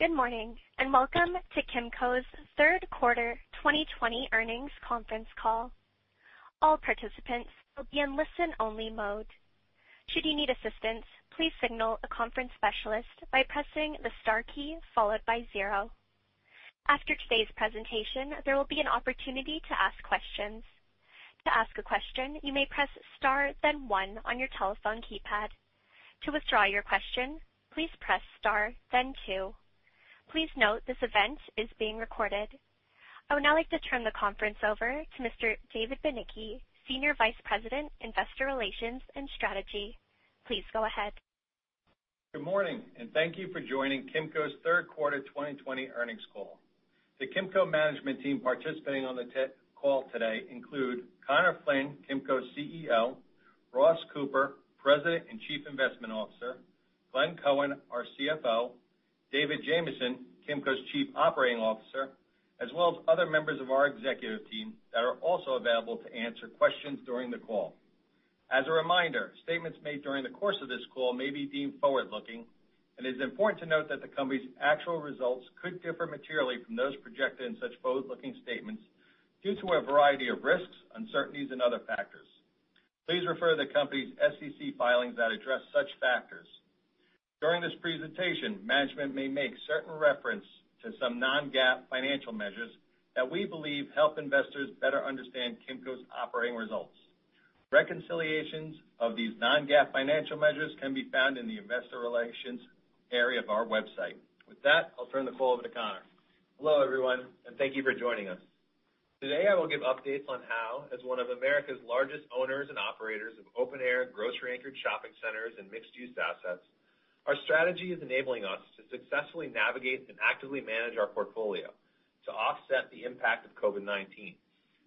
Good morning, and welcome to Kimco's third quarter 2020 earnings conference call. I would now like to turn the conference over to Mr. David Bujnicki, Senior Vice President, Investor Relations and Strategy. Please go ahead. Good morning. Thank you for joining Kimco's third quarter 2020 earnings call. The Kimco management team participating on the call today include Conor Flynn, Kimco's CEO, Ross Cooper, President and Chief Investment Officer, Glenn Cohen, our CFO, David Jamieson, Kimco's Chief Operating Officer, as well as other members of our executive team that are also available to answer questions during the call. As a reminder, statements made during the course of this call may be deemed forward-looking, and it is important to note that the company's actual results could differ materially from those projected in such forward-looking statements due to a variety of risks, uncertainties, and other factors. Please refer to the company's SEC filings that address such factors. During this presentation, management may make certain reference to some non-GAAP financial measures that we believe help investors better understand Kimco's operating results. Reconciliations of these non-GAAP financial measures can be found in the investor relations area of our website. With that, I'll turn the call over to Conor. Hello, everyone, and thank you for joining us. Today, I will give updates on how, as one of America's largest owners and operators of open air, grocery-anchored shopping centers and mixed-use assets, our strategy is enabling us to successfully navigate and actively manage our portfolio to offset the impact of COVID-19,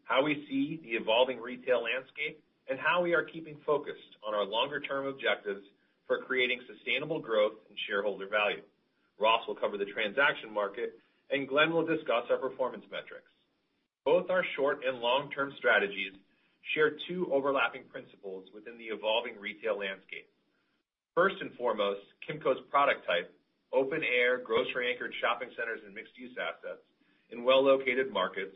how we see the evolving retail landscape, and how we are keeping focused on our longer-term objectives for creating sustainable growth and shareholder value. Ross will cover the transaction market. Glenn will discuss our performance metrics. Both our short- and long-term strategies share two overlapping principles within the evolving retail landscape. First and foremost, Kimco's product type, open air, grocery-anchored shopping centers and mixed-use assets in well-located markets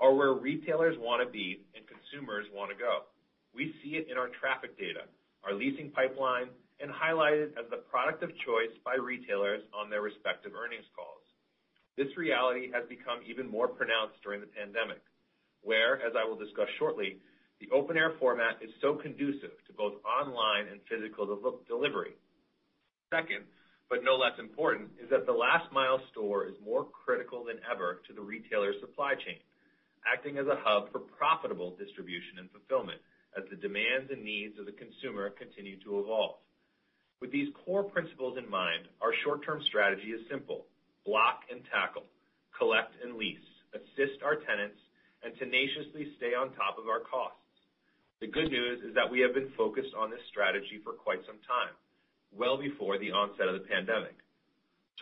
are where retailers want to be and consumers want to go. We see it in our traffic data, our leasing pipeline, and highlighted as the product of choice by retailers on their respective earnings calls. This reality has become even more pronounced during the pandemic, where, as I will discuss shortly, the open air format is so conducive to both online and physical delivery. Second, but no less important, is that the last mile store is more critical than ever to the retailer's supply chain, acting as a hub for profitable distribution and fulfillment as the demands and needs of the consumer continue to evolve. With these core principles in mind, our short-term strategy is simple: block and tackle, collect and lease, assist our tenants, and tenaciously stay on top of our costs. The good news is that we have been focused on this strategy for quite some time, well before the onset of the pandemic.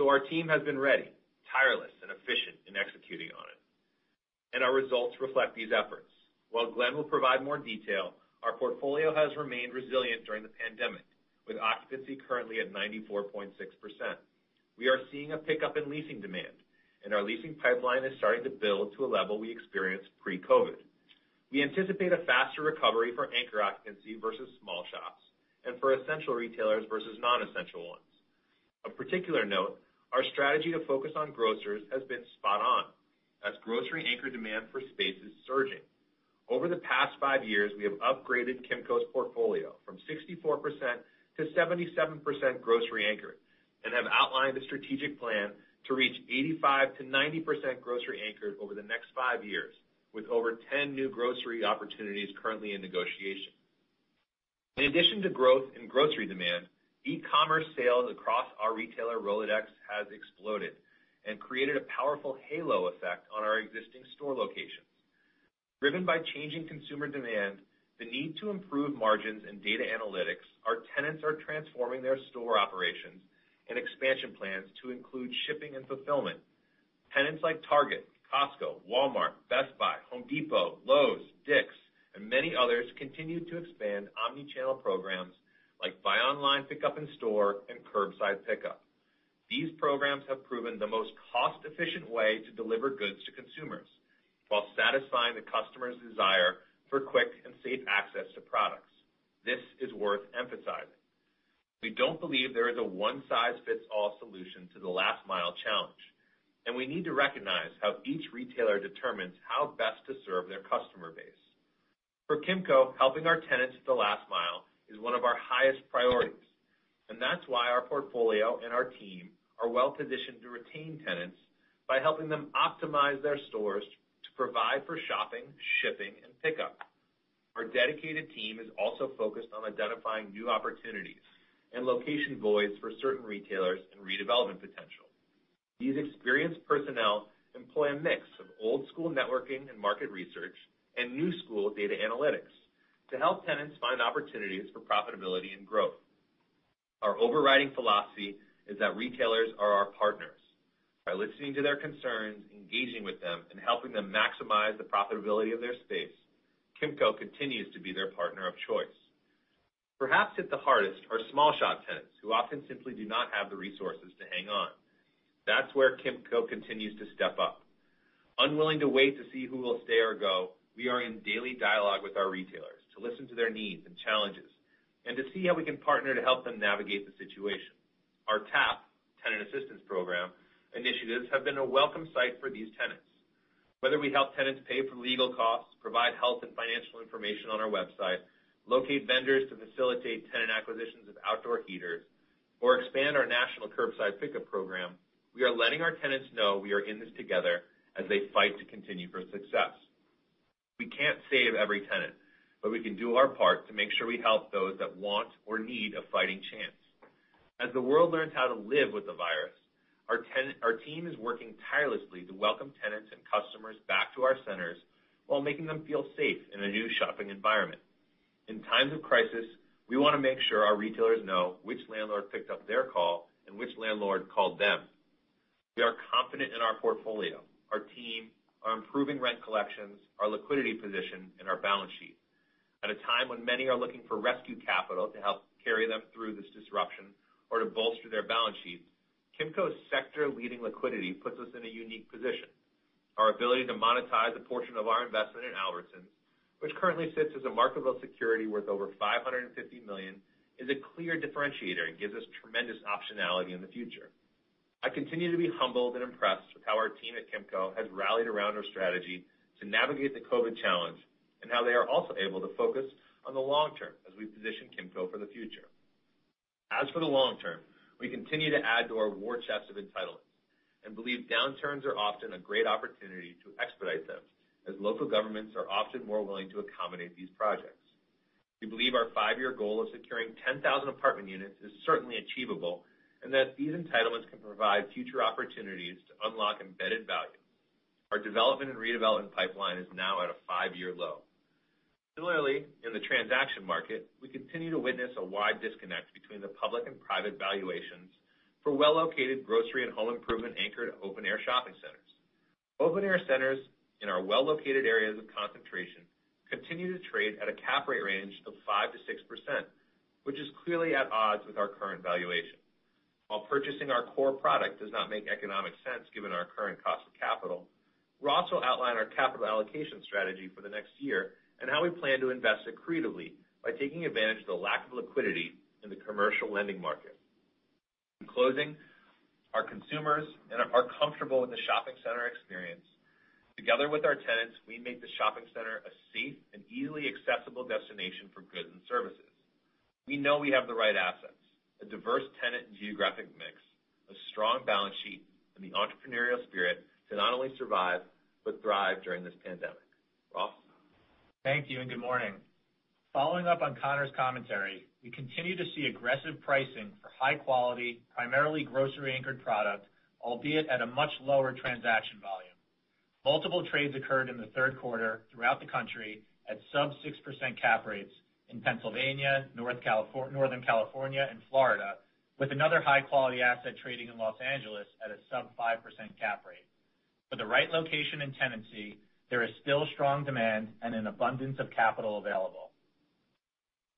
Our team has been ready, tireless, and efficient in executing on it, and our results reflect these efforts. While Glenn will provide more detail, our portfolio has remained resilient during the pandemic, with occupancy currently at 94.6%. We are seeing a pickup in leasing demand, and our leasing pipeline is starting to build to a level we experienced pre-COVID. We anticipate a faster recovery for anchor occupancy versus small shops and for essential retailers versus non-essential ones. Of particular note, our strategy to focus on grocers has been spot on as grocery anchor demand for space is surging. Over the past five years, we have upgraded Kimco's portfolio from 64%-77% grocery-anchored and have outlined a strategic plan to reach 85%-90% grocery-anchored over the next five years with over 10 new grocery opportunities currently in negotiation. In addition to growth in grocery demand, e-commerce sales across our retailer Rolodex has exploded and created a powerful halo effect on our existing store locations. Driven by changing consumer demand, the need to improve margins and data analytics, our tenants are transforming their store operations and expansion plans to include shipping and fulfillment. Tenants like Target, Costco, Walmart, Best Buy, The Home Depot, Lowe's, Dick's Sporting Goods, and many others continue to expand omni-channel programs like buy online, pickup in store, and curbside pickup. These programs have proven the most cost-efficient way to deliver goods to consumers while satisfying the customer's desire for quick and safe access to products. This is worth emphasizing. We don't believe there is a one-size-fits-all solution to the last mile challenge, and we need to recognize how each retailer determines how best to serve their customer base. For Kimco, helping our tenants with the last mile is one of our highest priorities, and that's why our portfolio and our team are well-positioned to retain tenants by helping them optimize their stores to provide for shopping, shipping, and pickup. Our dedicated team is also focused on identifying new opportunities and location voids for certain retailers and redevelopment potential. These experienced personnel employ a mix of old-school networking and market research and new-school data analytics to help tenants find opportunities for profitability and growth. Our overriding philosophy is that retailers are our partners. By listening to their concerns, engaging with them, and helping them maximize the profitability of their space, Kimco continues to be their partner of choice. Perhaps hit the hardest are small shop tenants who often simply do not have the resources to hang on. That's where Kimco continues to step up. Unwilling to wait to see who will stay or go, we are in daily dialogue with our retailers to listen to their needs and challenges, and to see how we can partner to help them navigate the situation. Our TAP, Tenant Assistance Program, initiatives have been a welcome sight for these tenants. Whether we help tenants pay for legal costs, provide health and financial information on our website, locate vendors to facilitate tenant acquisitions of outdoor heaters, or expand our national curbside pickup program, we are letting our tenants know we are in this together as they fight to continue for success. We can't save every tenant, but we can do our part to make sure we help those that want or need a fighting chance. As the world learns how to live with the virus, our team is working tirelessly to welcome tenants and customers back to our centers while making them feel safe in a new shopping environment. In times of crisis, we want to make sure our retailers know which landlord picked up their call and which landlord called them. We are confident in our portfolio, our team, our improving rent collections, our liquidity position, and our balance sheet. At a time when many are looking for rescue capital to help carry them through this disruption or to bolster their balance sheets, Kimco's sector-leading liquidity puts us in a unique position. Our ability to monetize a portion of our investment in Albertsons, which currently sits as a marketable security worth over $550 million, is a clear differentiator and gives us tremendous optionality in the future. I continue to be humbled and impressed with how our team at Kimco has rallied around our strategy to navigate the COVID challenge, and how they are also able to focus on the long term as we position Kimco for the future. As for the long term, we continue to add to our war chest of entitlements and believe downturns are often a great opportunity to expedite them, as local governments are often more willing to accommodate these projects. We believe our five-year goal of securing 10,000 apartment units is certainly achievable, and that these entitlements can provide future opportunities to unlock embedded value. Our development and redevelopment pipeline is now at a five-year low. Similarly, in the transaction market, we continue to witness a wide disconnect between the public and private valuations for well-located grocery and home improvement anchored open air shopping centers. Open air centers in our well-located areas of concentration continue to trade at a cap rate range of 5%-6%, which is clearly at odds with our current valuation. While purchasing our core product does not make economic sense given our current cost of capital, we'll also outline our capital allocation strategy for the next year and how we plan to invest accretively by taking advantage of the lack of liquidity in the commercial lending market. In closing, our consumers are comfortable with the shopping center experience. Together with our tenants, we make the shopping center a safe and easily accessible destination for goods and services. We know we have the right assets, a diverse tenant and geographic mix, a strong balance sheet, and the entrepreneurial spirit to not only survive, but thrive during this pandemic. Ross? Thank you, and good morning. Following up on Conor's commentary, we continue to see aggressive pricing for high quality, primarily grocery-anchored product, albeit at a much lower transaction volume. Multiple trades occurred in the third quarter throughout the country at sub 6% cap rates in Pennsylvania, Northern California, and Florida, with another high-quality asset trading in Los Angeles at a sub-5% cap rate. For the right location and tenancy, there is still strong demand and an abundance of capital available.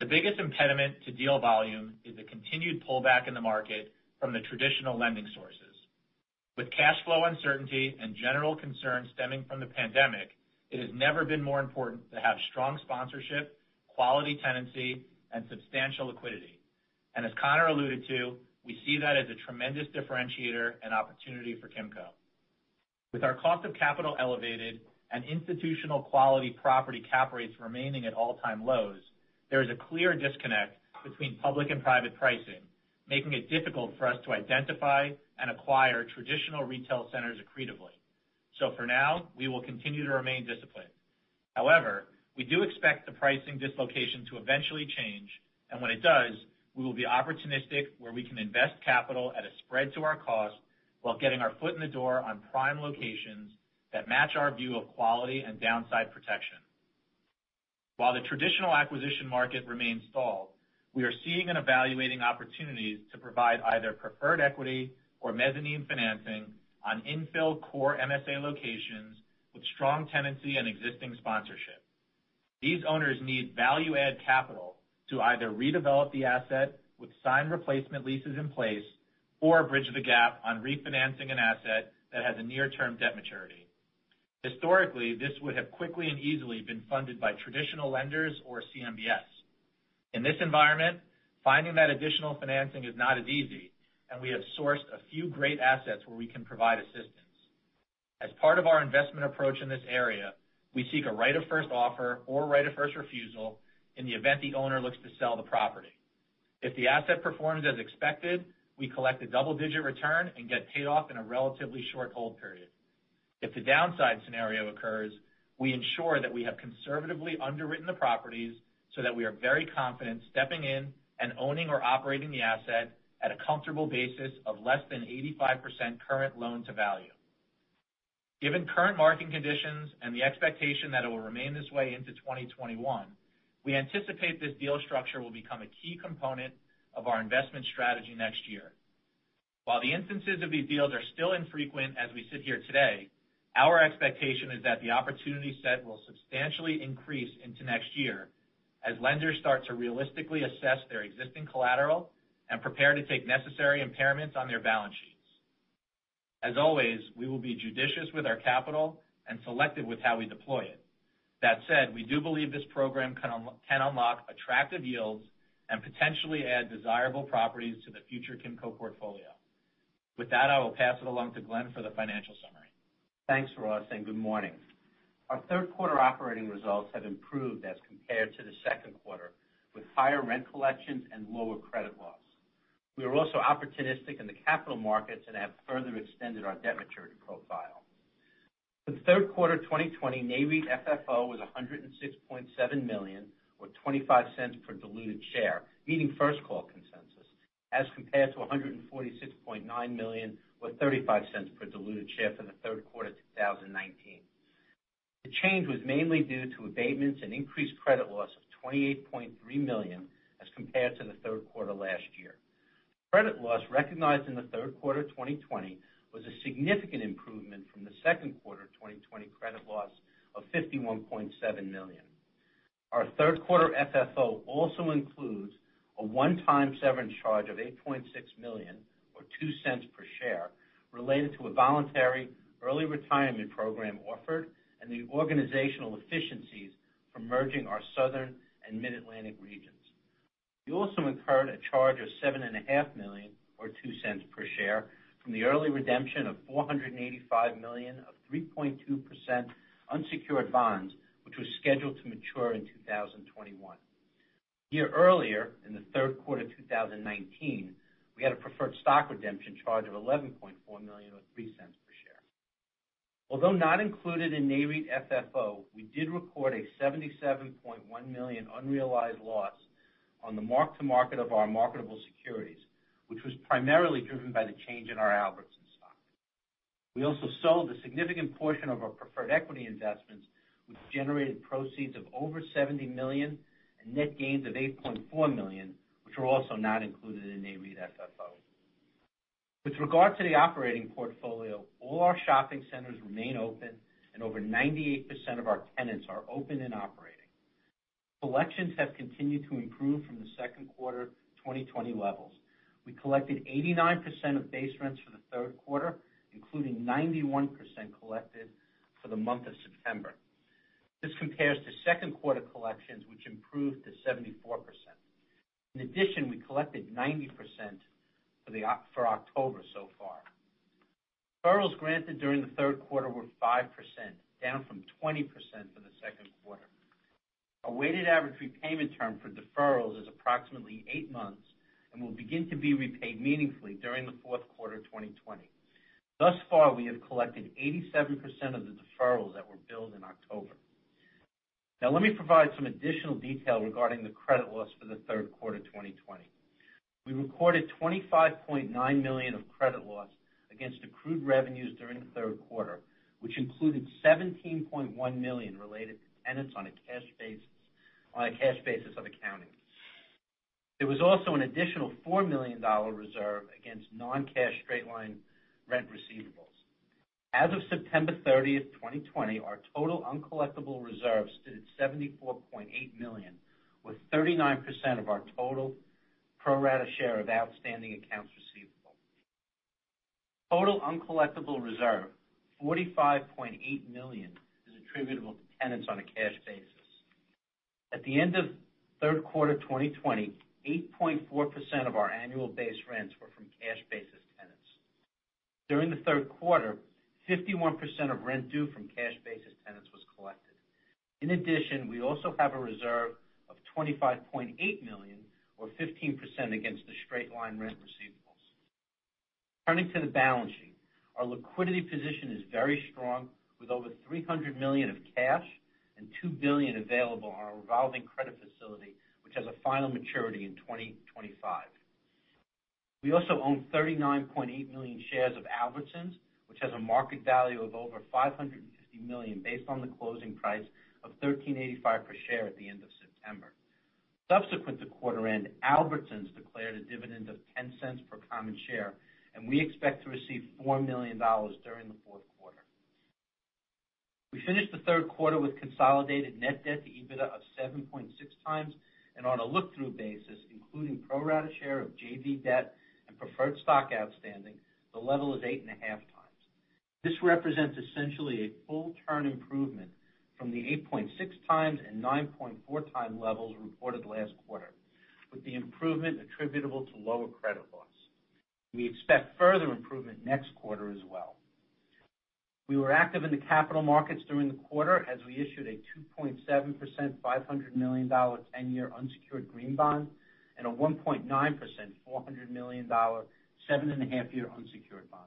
The biggest impediment to deal volume is the continued pullback in the market from the traditional lending sources. With cash flow uncertainty and general concerns stemming from the pandemic, it has never been more important to have strong sponsorship, quality tenancy, and substantial liquidity. As Conor alluded to, we see that as a tremendous differentiator and opportunity for Kimco. With our cost of capital elevated and institutional quality property cap rates remaining at all-time lows, there is a clear disconnect between public and private pricing, making it difficult for us to identify and acquire traditional retail centers accretively. For now, we will continue to remain disciplined. However, we do expect the pricing dislocation to eventually change, and when it does, we will be opportunistic where we can invest capital at a spread to our cost while getting our foot in the door on prime locations that match our view of quality and downside protection. While the traditional acquisition market remains stalled, we are seeing and evaluating opportunities to provide either preferred equity or mezzanine financing on infill core MSA locations with strong tenancy and existing sponsorship. These owners need value-add capital to either redevelop the asset with signed replacement leases in place, or bridge the gap on refinancing an asset that has a near-term debt maturity. Historically, this would have quickly and easily been funded by traditional lenders or CMBS. In this environment, finding that additional financing is not as easy, and we have sourced a few great assets where we can provide assistance. As part of our investment approach in this area, we seek a right of first offer or right of first refusal in the event the owner looks to sell the property. If the asset performs as expected, we collect a double-digit return and get paid off in a relatively short hold period. If the downside scenario occurs, we ensure that we have conservatively underwritten the properties so that we are very confident stepping in and owning or operating the asset at a comfortable basis of less than 85% current loan-to-value. Given current market conditions and the expectation that it will remain this way into 2021, we anticipate this deal structure will become a key component of our investment strategy next year. While the instances of these deals are still infrequent as we sit here today, our expectation is that the opportunity set will substantially increase into next year as lenders start to realistically assess their existing collateral and prepare to take necessary impairments on their balance sheets. As always, we will be judicious with our capital and selective with how we deploy it. That said, we do believe this program can unlock attractive yields and potentially add desirable properties to the future Kimco portfolio. With that, I will pass it along to Glenn for the financial summary. Thanks, Ross, and good morning. Our third quarter operating results have improved as compared to the second quarter, with higher rent collections and lower credit loss. We are also opportunistic in the capital markets and have further extended our debt maturity profile. For third quarter 2020, Nareit FFO was $106.7 million or $0.25 per diluted share, meeting First Call consensus as compared to $146.9 million or $0.35 per diluted share for the third quarter 2019. The change was mainly due to abatements and increased credit loss of $28.3 million as compared to the third quarter last year. Credit loss recognized in the third quarter 2020 was a significant improvement from the second quarter 2020 credit loss of $51.7 million. Our third quarter FFO also includes a one-time severance charge of $8.6 million or $0.02 per share related to a voluntary early retirement program offered and the organizational efficiencies from merging our Southern and Mid-Atlantic regions. We also incurred a charge of $7.5 million or $0.02 per share from the early redemption of $485 million of 3.2% unsecured bonds, which was scheduled to mature in 2021. A year earlier, in the third quarter 2019, we had a preferred stock redemption charge of $11.4 million or $0.03 per share. Although not included in Nareit FFO, we did record a $77.1 million unrealized loss on the mark-to-market of our marketable securities, which was primarily driven by the change in our Albertsons stock. We also sold a significant portion of our preferred equity investments, which generated proceeds of over $70 million and net gains of $8.4 million, which were also not included in Nareit FFO. With regard to the operating portfolio, all our shopping centers remain open and over 98% of our tenants are open and operating. Collections have continued to improve from the second quarter 2020 levels. We collected 89% of base rents for the third quarter, including 91% collected for the month of September. This compares to second quarter collections, which improved to 74%. In addition, we collected 90% for October so far. Deferrals granted during the third quarter were 5%, down from 20% for the second quarter. A weighted average repayment term for deferrals is approximately eight months and will begin to be repaid meaningfully during the fourth quarter 2020. Thus far, we have collected 87% of the deferrals that were billed in October. Let me provide some additional detail regarding the credit loss for the third quarter 2020. We recorded $25.9 million of credit loss against accrued revenues during the third quarter, which included $17.1 million related to tenants on a cash basis of accounting. There was also an additional $4 million reserve against non-cash straight-line rent receivables. As of September 30th, 2020, our total uncollectible reserves stood at $74.8 million, with 39% of our total pro rata share of outstanding accounts receivable. Total uncollectible reserve, $45.8 million, is attributable to tenants on a cash basis. At the end of third quarter 2020, 8.4% of our annual base rents were from cash basis tenants. During the third quarter, 51% of rent due from cash basis tenants was collected. In addition, we also have a reserve of $25.8 million or 15% against the straight-line rent receivables. Turning to the balance sheet, our liquidity position is very strong, with over $300 million of cash and $2 billion available on our revolving credit facility, which has a final maturity in 2025. We also own 39.8 million shares of Albertsons, which has a market value of over $550 million based on the closing price of $13.85 per share at the end of September. Subsequent to quarter end, Albertsons declared a dividend of $0.10 per common share, and we expect to receive $4 million during the fourth quarter. We finished the third quarter with consolidated net debt to EBITDA of 7.6x, and on a look-through basis, including pro rata share of JV debt and preferred stock outstanding, the level is 8.5x. This represents essentially a full turn improvement from the 8.6x and 9.4x levels reported last quarter, with the improvement attributable to lower credit loss. We expect further improvement next quarter as well. We were active in the capital markets during the quarter as we issued a 2.7%, $500 million 10-year unsecured green bond and a 1.9%, $400 million seven-and-a-half-year unsecured bond.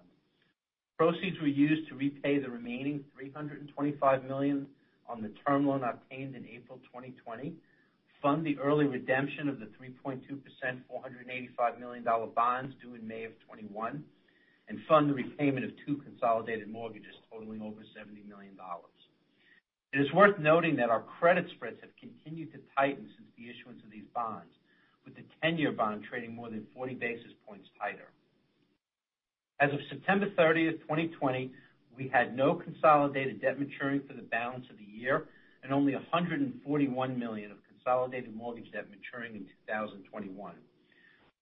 Proceeds were used to repay the remaining $325 million on the term loan obtained in April 2020, fund the early redemption of the 3.2%, $485 million bonds due in May of 2021, and fund the repayment of two consolidated mortgages totaling over $70 million. It is worth noting that our credit spreads have continued to tighten since the issuance of these bonds, with the 10-year bond trading more than 40 basis points tighter. As of September 30th, 2020, we had no consolidated debt maturing for the balance of the year and only $141 million of consolidated mortgage debt maturing in 2021.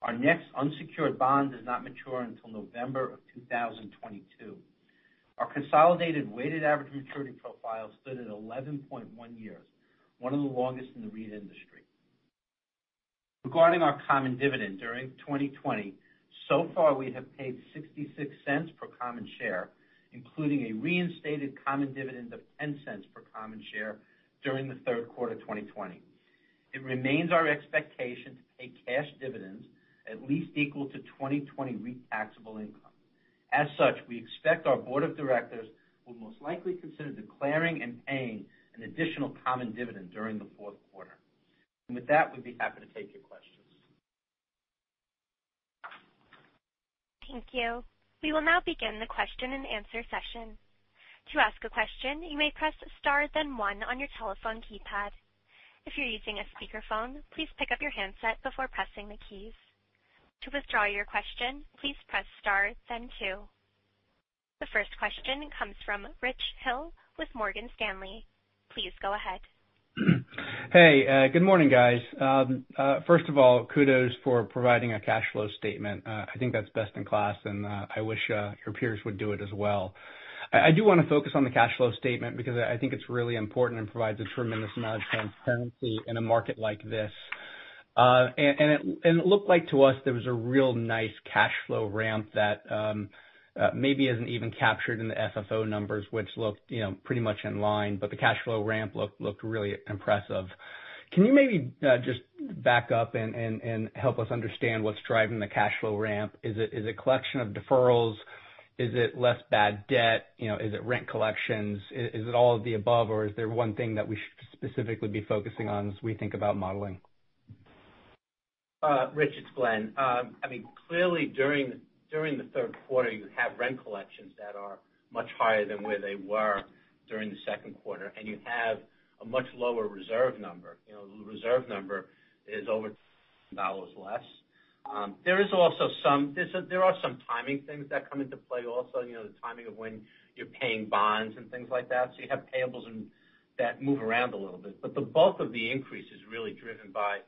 Our next unsecured bond does not mature until November of 2022. Our consolidated weighted average maturity profile stood at 11.1 years, one of the longest in the REIT industry. Regarding our common dividend during 2020, so far, we have paid $0.66 per common share, including a reinstated common dividend of $0.10 per common share during the third quarter of 2020. It remains our expectation to pay cash dividends at least equal to 2020 REIT taxable income. As such, we expect our Board of Directors will most likely consider declaring and paying an additional common dividend during the fourth quarter. With that, we'd be happy to take your questions. Thank you. We will now begin the question-and-answer session. To ask a question, you may press star then one on your telephone keypad. If you're using a speaker phone, please pickup your handset before pressing a key. To withdraw your question, please press star then two. The first question comes from Rich Hill with Morgan Stanley. Please go ahead. Hey, good morning, guys. First of all, kudos for providing a cash flow statement. I think that's best-in-class, and I wish your peers would do it as well. I do want to focus on the cash flow statement because I think it's really important and provides a tremendous amount of transparency in a market like this. It looked like to us there was a real nice cash flow ramp that maybe isn't even captured in the FFO numbers, which looked pretty much in line, but the cash flow ramp looked really impressive. Can you maybe just back up and help us understand what's driving the cash flow ramp? Is it collection of deferrals? Is it less bad debt? Is it rent collections? Is it all of the above, or is there one thing that we should specifically be focusing on as we think about modeling? Rich, it's Glenn. Clearly, during the third quarter, you have rent collections that are much higher than where they were during the second quarter. You have a much lower reserve number. The reserve number is over a dollar] less. There are some timing things that come into play also, the timing of when you're paying bonds and things like that. You have payables and debt move around a little bit. The bulk of the increase is really driven by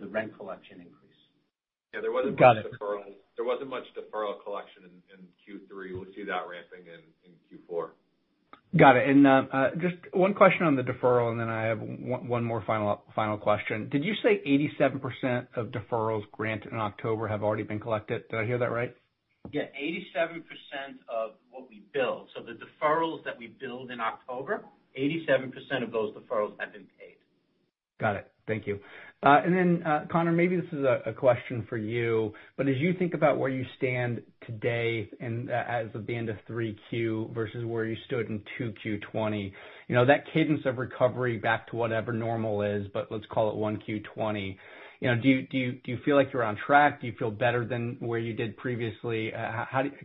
the rent collection increase. There wasn't much deferral collection in Q3. We'll see that ramping in Q4. Just one question on the deferral, and then I have one more final question. Did you say 87% of deferrals granted in October have already been collected? Did I hear that right? 87% of what we billed. The deferrals that we billed in October, 87% of those deferrals have been paid. Got it. Thank you. Conor, maybe this is a question for you, but as you think about where you stand today and as of the end of 3Q versus where you stood in 2Q 2020, that cadence of recovery back to whatever normal is, but let's call it 1Q 2020, do you feel like you're on track? Do you feel better than where you did previously?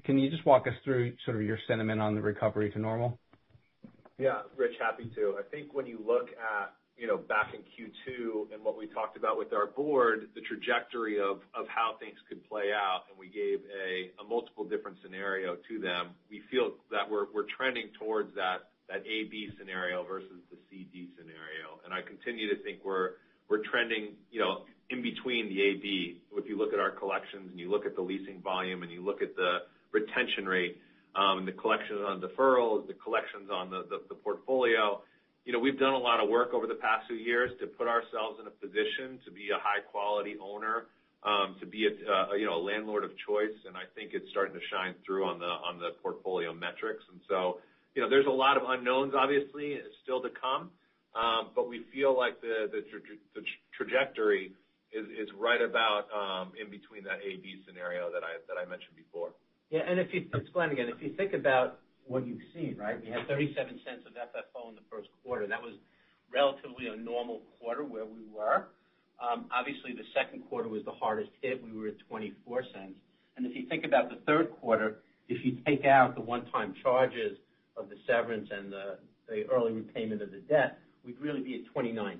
Can you just walk us through sort of your sentiment on the recovery to normal? Yeah. Rich, happy to. I think when you look at back in Q2 and what we talked about with our Board, the trajectory of how things could play out, and we gave a multiple different scenario to them, we feel that we're trending towards that A/B scenario versus the C/D scenario. I continue to think we're trending in between the A/B. If you look at our collections and you look at the leasing volume and you look at the retention rate, the collections on deferrals, the collections on the portfolio. We've done a lot of work over the past few years to put ourselves in a position to be a high-quality owner, to be a landlord of choice, and I think it's starting to shine through on the portfolio metrics. There's a lot of unknowns, obviously, still to come. We feel like the trajectory is right about in between that A/B scenario that I mentioned before. Yeah. It's Glenn again. If you think about what you've seen, right? We had $0.37 of FFO in the first quarter. That was relatively a normal quarter where we were. Obviously, the second quarter was the hardest hit. We were at $0.24. If you think about the third quarter, if you take out the one-time charges of the severance and the early repayment of the debt, we'd really be at $0.29.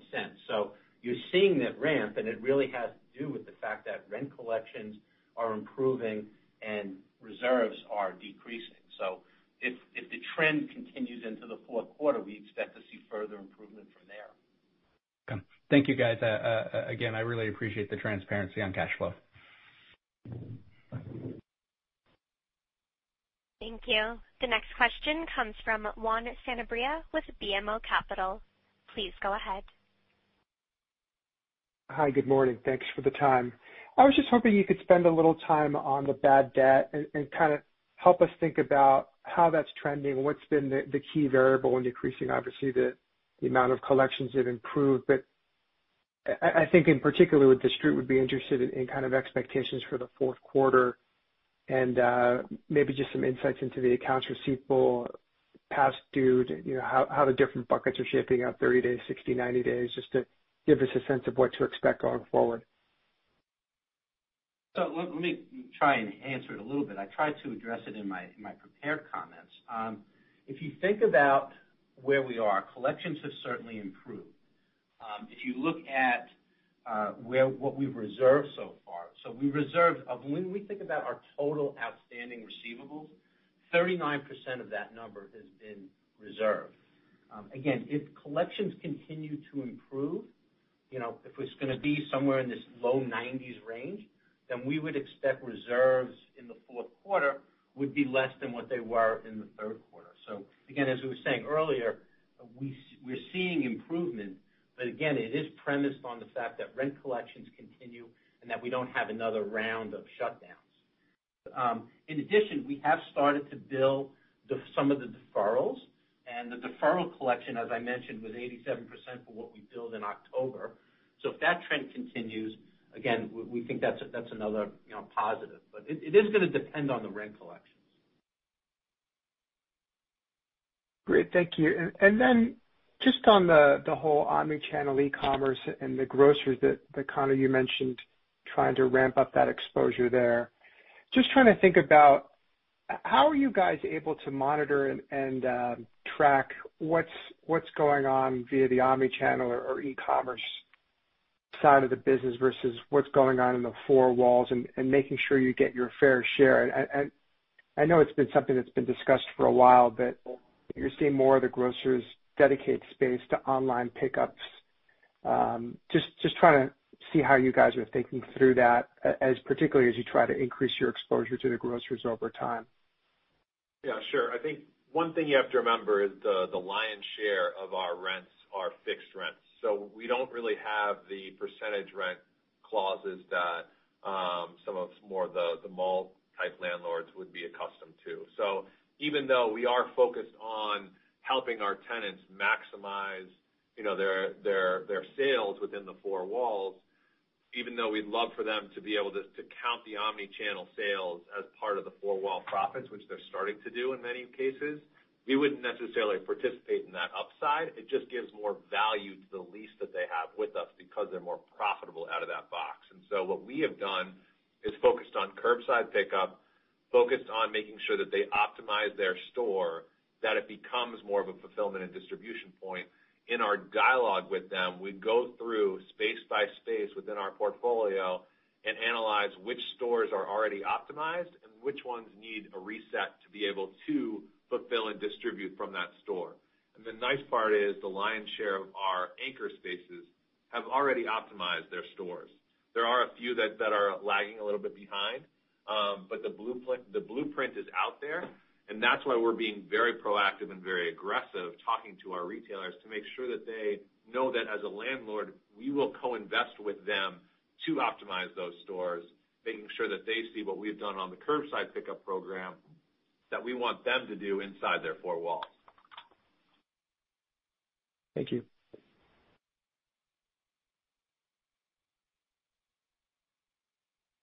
You're seeing that ramp, and it really has to do with the fact that rent collections are improving and reserves are decreasing. If the trend continues into the fourth quarter, we expect to see further improvement from there. Thank you guys. Again, I really appreciate the transparency on cash flow. Thank you. The next question comes from Juan Sanabria with BMO Capital. Please go ahead. Hi, good morning. Thanks for the time. I was just hoping you could spend a little time on the bad debt and kind of help us think about how that's trending and what's been the key variable in decreasing. Obviously, the amount of collections have improved, but I think in particular with the Street would be interested in kind of expectations for the fourth quarter and maybe just some insights into the accounts receivable past due, how the different buckets are shaping up, 30 days, 60, 90 days, just to give us a sense of what to expect going forward. Let me try and answer it a little bit. I tried to address it in my prepared comments. If you think about where we are, collections have certainly improved. If you look at what we've reserved so far. When we think about our total outstanding receivables, 39% of that number has been reserved. If collections continue to improve, if it's going to be somewhere in this low 90s range, then we would expect reserves in the fourth quarter would be less than what they were in the third quarter. As I was saying earlier, we're seeing improvement, but again, it is premised on the fact that rent collections continue and that we don't have another round of shutdowns. In addition, we have started to bill some of the deferrals, and the deferral collection, as I mentioned, was 87% for what we billed in October. If that trend continues, again, we think that's another positive. It is going to depend on the rent collections. Great, thank you. Then just on the whole omni-channel e-commerce and the grocers that, Conor, you mentioned trying to ramp up that exposure there. Just trying to think about how are you guys able to monitor and track what's going on via the omni-channel or e-commerce side of the business versus what's going on in the four walls and making sure you get your fair share. I know it's been something that's been discussed for a while, you're seeing more of the grocers dedicate space to online pickups. Just trying to see how you guys are thinking through that, as particularly as you try to increase your exposure to the grocers over time. Yeah, sure. I think one thing you have to remember is the lion's share of our rents are fixed rents. We don't really have the percentage rent clauses that some of more of the mall-type landlords would be accustomed to. Even though we are focused on helping our tenants maximize their sales within the four walls, even though we'd love for them to be able to count the omni-channel sales as part of the four-wall profits, which they're starting to do in many cases, we wouldn't necessarily participate in that upside. It just gives more value to the lease that they have with us because they're more profitable out of that box. What we have done is focused on curbside pickup, focused on making sure that they optimize their store, that it becomes more of a fulfillment and distribution point. In our dialogue with them, we go through space by space within our portfolio and analyze which stores are already optimized and which ones need a reset to be able to fulfill and distribute from that store. The nice part is the lion's share of our anchor spaces have already optimized their stores. There are a few that are lagging a little bit behind. The blueprint is out there, and that's why we're being very proactive and very aggressive, talking to our retailers to make sure that they know that as a landlord, we will co-invest with them to optimize those stores, making sure that they see what we've done on the curbside pickup program that we want them to do inside their four walls. Thank you.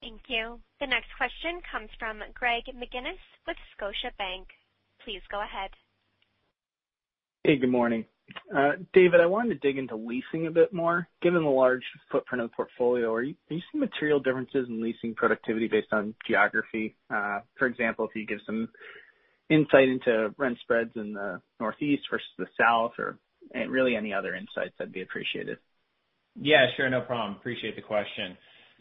Thank you. The next question comes from Greg McGinniss with Scotiabank. Please go ahead. Hey, good morning. David, I wanted to dig into leasing a bit more. Given the large footprint of the portfolio, are you seeing material differences in leasing productivity based on geography? For example, if you give some insight into rent spreads in the Northeast versus the South or really any other insights, that'd be appreciated. Yeah, sure. No problem. Appreciate the question.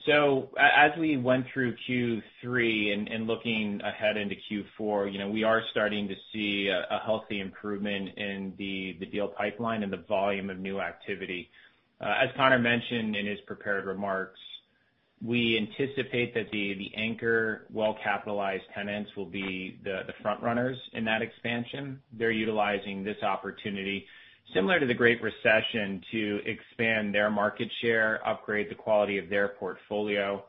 As we went through Q3 and looking ahead into Q4, we are starting to see a healthy improvement in the deal pipeline and the volume of new activity. As Conor mentioned in his prepared remarks, we anticipate that the anchor well-capitalized tenants will be the front runners in that expansion. They're utilizing this opportunity, similar to the Great Recession, to expand their market share, upgrade the quality of their portfolio,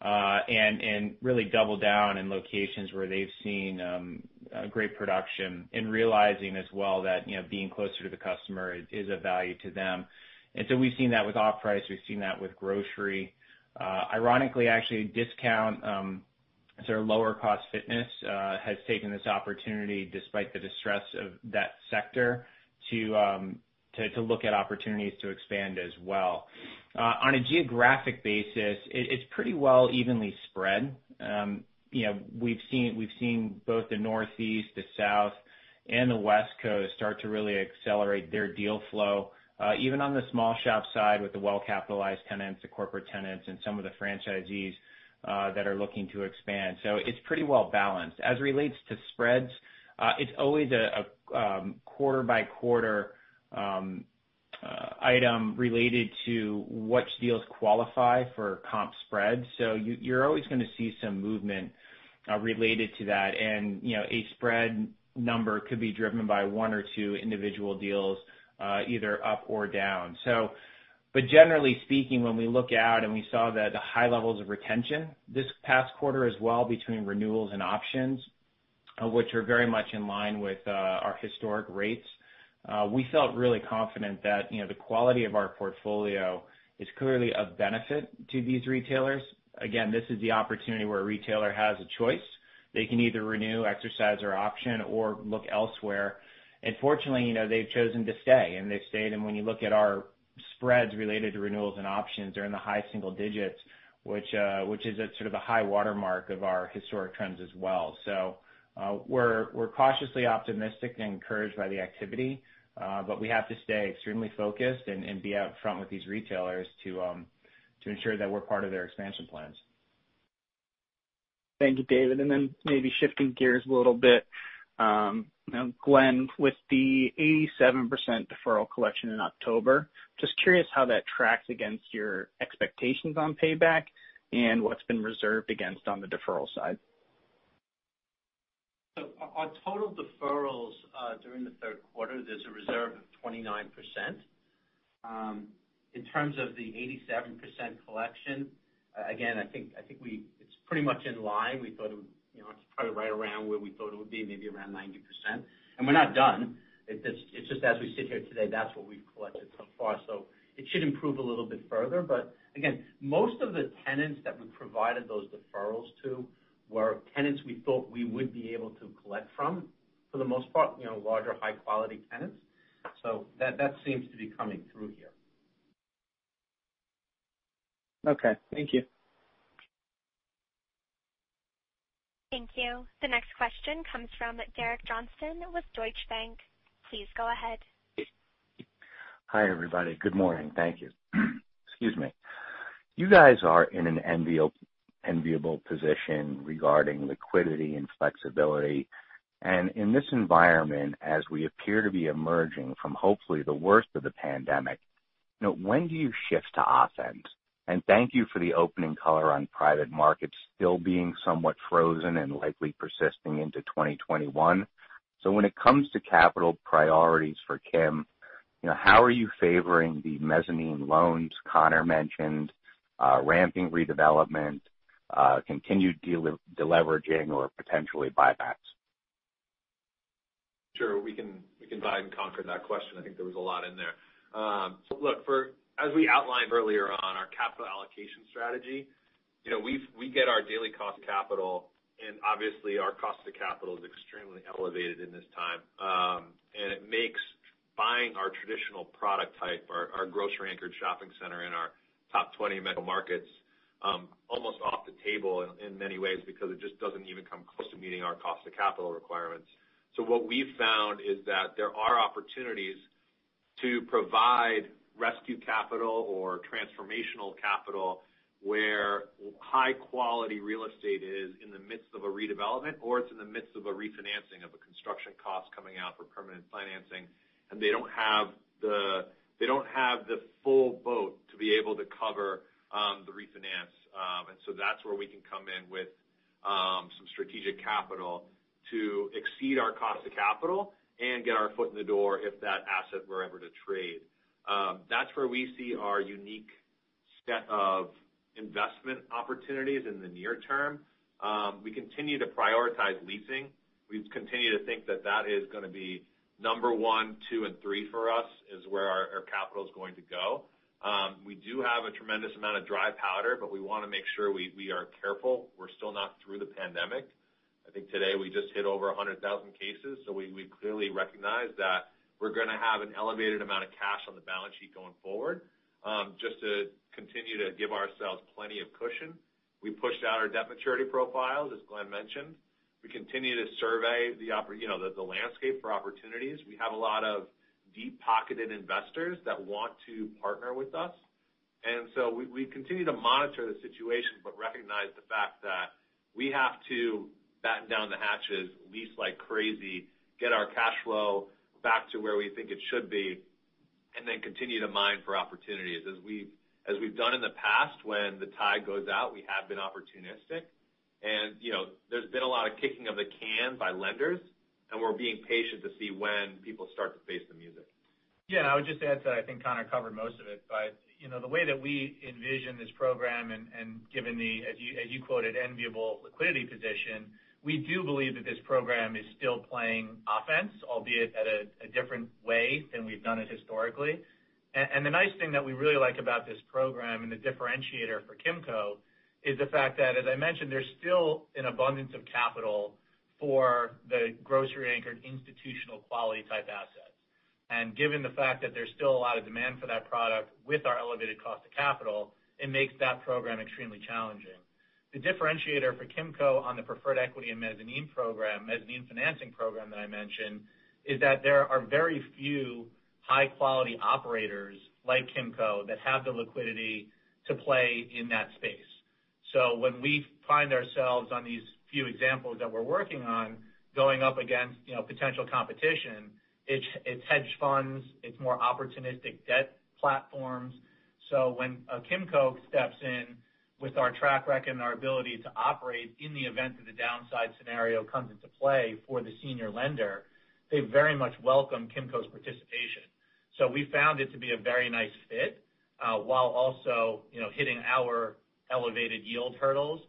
and really double down in locations where they've seen great production and realizing as well that being closer to the customer is of value to them. We've seen that with off-price, we've seen that with grocery. Ironically, actually, discount, sort of lower cost fitness has taken this opportunity, despite the distress of that sector, to look at opportunities to expand as well. On a geographic basis, it's pretty well evenly spread. We've seen both the Northeast, the South, and the West Coast start to really accelerate their deal flow, even on the small shop side with the well-capitalized tenants, the corporate tenants, and some of the franchisees that are looking to expand. It's pretty well balanced. As it relates to spreads, it's always a quarter-by-quarter item related to which deals qualify for comp spreads. You're always going to see some movement related to that. A spread number could be driven by one or two individual deals, either up or down. Generally speaking, when we look out and we saw the high levels of retention this past quarter as well between renewals and options, which are very much in line with our historic rates, we felt really confident that the quality of our portfolio is clearly of benefit to these retailers. Again, this is the opportunity where a retailer has a choice. They can either renew, exercise, or option or look elsewhere. Fortunately, they've chosen to stay, and they've stayed. When you look at our spreads related to renewals and options are in the high single digits, which is a sort of a high watermark of our historic trends as well. We're cautiously optimistic and encouraged by the activity, but we have to stay extremely focused and be out front with these retailers to ensure that we're part of their expansion plans. Thank you, David. Maybe shifting gears a little bit. Glenn, with the 87% deferral collection in October, just curious how that tracks against your expectations on payback and what's been reserved against on the deferral side. On total deferrals, during the third quarter, there's a reserve of 29%. In terms of the 87% collection, again, I think it's pretty much in line. It's probably right around where we thought it would be, maybe around 90%. We're not done. It's just as we sit here today, that's what we've collected so far. It should improve a little bit further, but again, most of the tenants that we provided those deferrals to were tenants we thought we would be able to collect from, for the most part, larger, high quality tenants. That seems to be coming through here. Okay. Thank you. Thank you. The next question comes from Derek Johnston with Deutsche Bank. Please go ahead. Hi, everybody. Good morning. Thank you. Excuse me. You guys are in an enviable position regarding liquidity and flexibility, in this environment, as we appear to be emerging from hopefully the worst of the pandemic, when do you shift to offense? Thank you for the opening color on private markets still being somewhat frozen and likely persisting into 2021. When it comes to capital priorities for Kimco, how are you favoring the mezzanine loans Conor mentioned, ramping redevelopment, continued deleveraging or potentially buybacks? Sure. We can divide and conquer that question. I think there was a lot in there. Look, as we outlined earlier on our capital allocation strategy, we get our daily cost of capital, and obviously our cost of capital is extremely elevated in this time. It makes buying our traditional product type, our grocery-anchored shopping center in our top 20 metro markets, almost off the table in many ways because it just doesn't even come close to meeting our cost of capital requirements. What we've found is that there are opportunities to provide rescue capital or transformational capital where high quality real estate is in the midst of a redevelopment, or it's in the midst of a refinancing of a construction cost coming out for permanent financing, and they don't have the full boat to be able to cover the refinance. That's where we can come in with some strategic capital to exceed our cost of capital and get our foot in the door if that asset were ever to trade. That's where we see our unique set of investment opportunities in the near term. We continue to prioritize leasing. We continue to think that that is going to be number one, two and three for us, is where our capital is going to go. We do have a tremendous amount of dry powder, but we want to make sure we are careful. We're still not through the pandemic. I think today we just hit over 100,000 cases, so we clearly recognize that we're going to have an elevated amount of cash on the balance sheet going forward, just to continue to give ourselves plenty of cushion. We pushed out our debt maturity profiles, as Glenn mentioned. We continue to survey the landscape for opportunities. We have a lot of deep-pocketed investors that want to partner with us. We continue to monitor the situation but recognize the fact that we have to batten down the hatches, lease like crazy, get our cash flow back to where we think it should be, and then continue to mine for opportunities. As we've done in the past when the tide goes out, we have been opportunistic. There's been a lot of kicking of the can by lenders, and we're being patient to see when people start to face the music. Yeah, I would just add to that, I think Conor covered most of it. The way that we envision this program and given the, as you quoted, enviable liquidity position, we do believe that this program is still playing offense, albeit at a different way than we've done it historically. The nice thing that we really like about this program and the differentiator for Kimco is the fact that, as I mentioned, there's still an abundance of capital for the grocery-anchored institutional quality type assets. Given the fact that there's still a lot of demand for that product with our elevated cost of capital, it makes that program extremely challenging. The differentiator for Kimco on the preferred equity and mezzanine financing program that I mentioned is that there are very few high-quality operators like Kimco that have the liquidity to play in that space. When we find ourselves on these few examples that we're working on going up against potential competition, it's hedge funds, it's more opportunistic debt platforms. When a Kimco steps in with our track record and our ability to operate in the event that a downside scenario comes into play for the senior lender, they very much welcome Kimco's participation. We found it to be a very nice fit, while also hitting our elevated yield hurdles.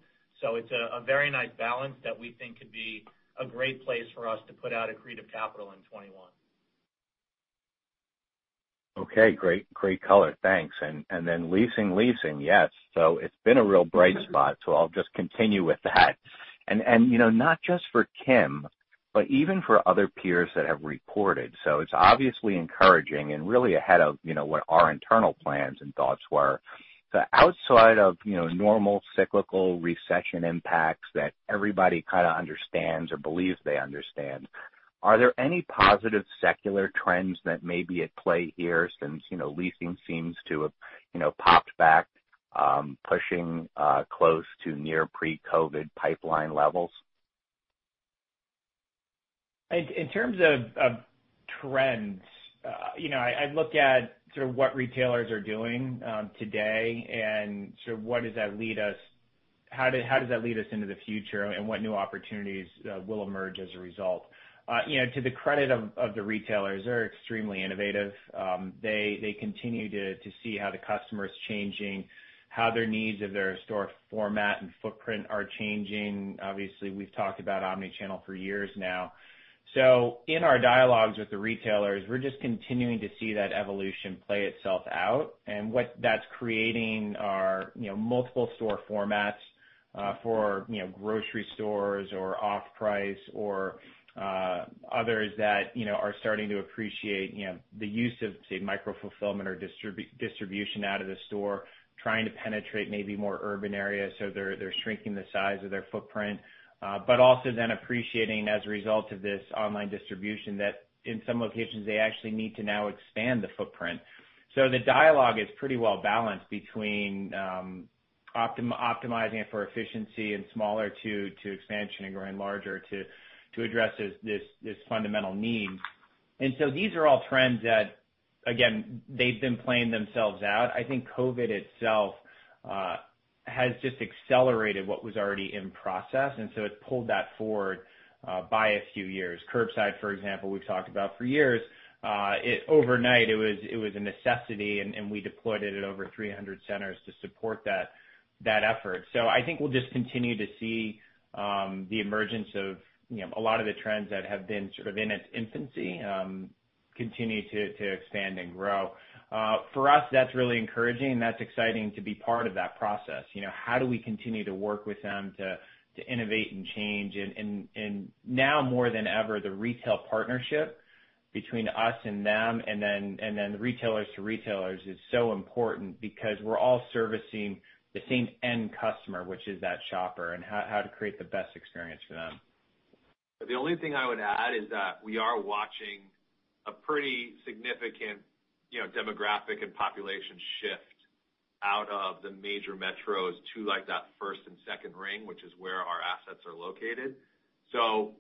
It's a very nice balance that we think could be a great place for us to put out accretive capital in 2021. Okay. Great color. Thanks. Leasing, yes. It's been a real bright spot, I'll just continue with that. Not just for Kimco even for other peers that have reported, it's obviously encouraging and really ahead of what our internal plans and thoughts were. Outside of normal cyclical recession impacts that everybody kind of understands or believes they understand, are there any positive secular trends that may be at play here since leasing seems to have popped back, pushing close to near pre-COVID pipeline levels? In terms of trends, I look at sort of what retailers are doing today, how does that lead us into the future, what new opportunities will emerge as a result. To the credit of the retailers, they're extremely innovative. They continue to see how the customer is changing, how their needs of their store format and footprint are changing. Obviously, we've talked about omni-channel for years now. In our dialogues with the retailers, we're just continuing to see that evolution play itself out. What that's creating are multiple store formats for grocery stores or off-price or others that are starting to appreciate the use of, say, micro-fulfillment or distribution out of the store, trying to penetrate maybe more urban areas. They're shrinking the size of their footprint. Also appreciating, as a result of this online distribution, that in some locations, they actually need to now expand the footprint. The dialogue is pretty well-balanced between optimizing it for efficiency and smaller to expansion and growing larger to address this fundamental need. These are all trends that, again, they've been playing themselves out. I think COVID itself has just accelerated what was already in process, and it pulled that forward by a few years. Curbside, for example, we've talked about for years. Overnight it was a necessity, and we deployed it at over 300 centers to support that effort. I think we'll just continue to see the emergence of a lot of the trends that have been sort of in its infancy, continue to expand and grow. For us, that's really encouraging, and that's exciting to be part of that process. How do we continue to work with them to innovate and change? Now more than ever, the retail partnership between us and them, and then retailers to retailers is so important because we're all servicing the same end customer, which is that shopper, and how to create the best experience for them. The only thing I would add is that we are watching a pretty significant demographic and population shift out of the major metros to that first and second ring, which is where our assets are located.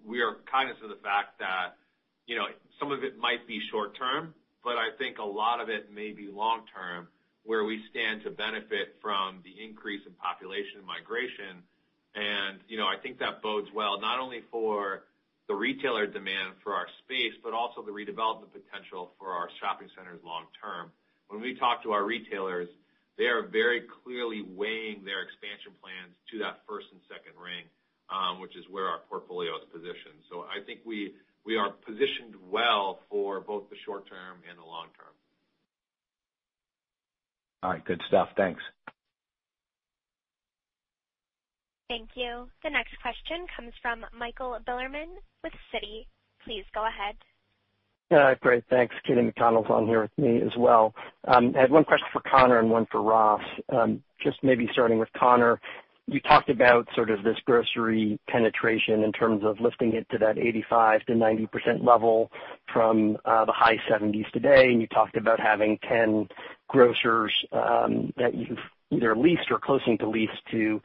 We are cognizant of the fact that some of it might be short-term, but I think a lot of it may be long-term, where we stand to benefit from the increase in population migration, and I think that bodes well not only for the retailer demand for our space, but also the redevelopment potential for our shopping centers long term. When we talk to our retailers, they are very clearly weighing their expansion plans to that first and second ring, which is where our portfolio is positioned. I think we are positioned well for both the short term and the long term. All right. Good stuff. Thanks. Thank you. The next question comes from Michael Bilerman with Citi. Please go ahead. Great. Thanks. [Kathleen McConnell's] on here with me as well. I had one question for Conor and one for Ross. Maybe starting with Conor, you talked about sort of this grocery penetration in terms of lifting it to that 85%-90% level from the high 70% today, and you talked about having 10 grocers that you've either leased or closing to lease to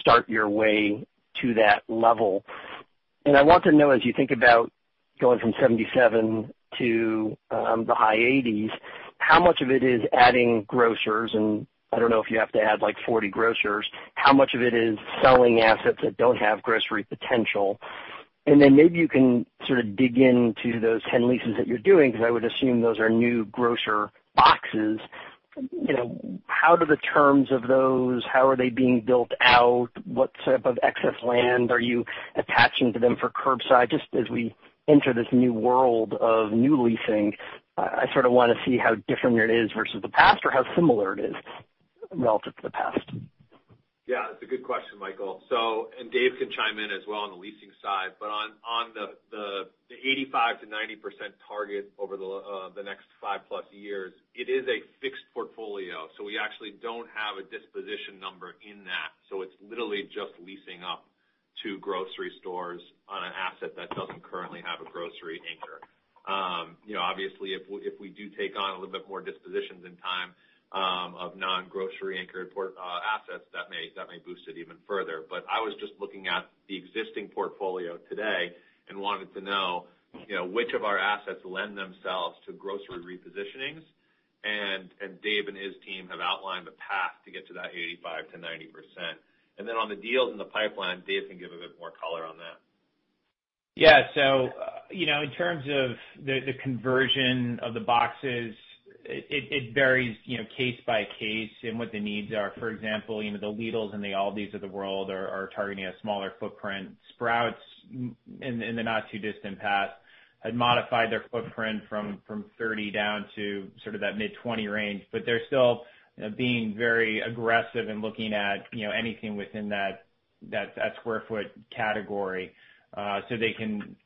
start your way to that level. I want to know, as you think about going from 77% to the high 80s, how much of it is adding grocers, and I don't know if you have to add 40 grocers. How much of it is selling assets that don't have grocery potential? Then maybe you can sort of dig into those 10 leases that you're doing, because I would assume those are new grocer boxes. How do the terms of those, how are they being built out? What type of excess land are you attaching to them for curbside? Just as we enter this new world of new leasing, I sort of want to see how different it is versus the past, or how similar it is relative to the past. That's a good question, Michael. Dave can chime in as well on the leasing side. On the 85%-90% target over the next five-plus years, it is a fixed portfolio. We actually don't have a disposition number in that. It's literally just leasing up to grocery stores on an asset that doesn't currently have a grocery anchor. Obviously, if we do take on a little bit more dispositions in time of non-grocery anchored port assets, that may boost it even further. I was just looking at the existing portfolio today and wanted to know which of our assets lend themselves to grocery repositionings. Dave and his team have outlined the path to get to that 85%-90%. Then on the deals in the pipeline, Dave can give a bit more color on that. In terms of the conversion of the boxes, it varies case by case and what the needs are. For example, the Lidls and the Aldis of the world are targeting a smaller footprint. Sprouts, in the not too distant past had modified their footprint from 30 down to sort of that mid-20 range. They're still being very aggressive in looking at anything within that square foot category, so they can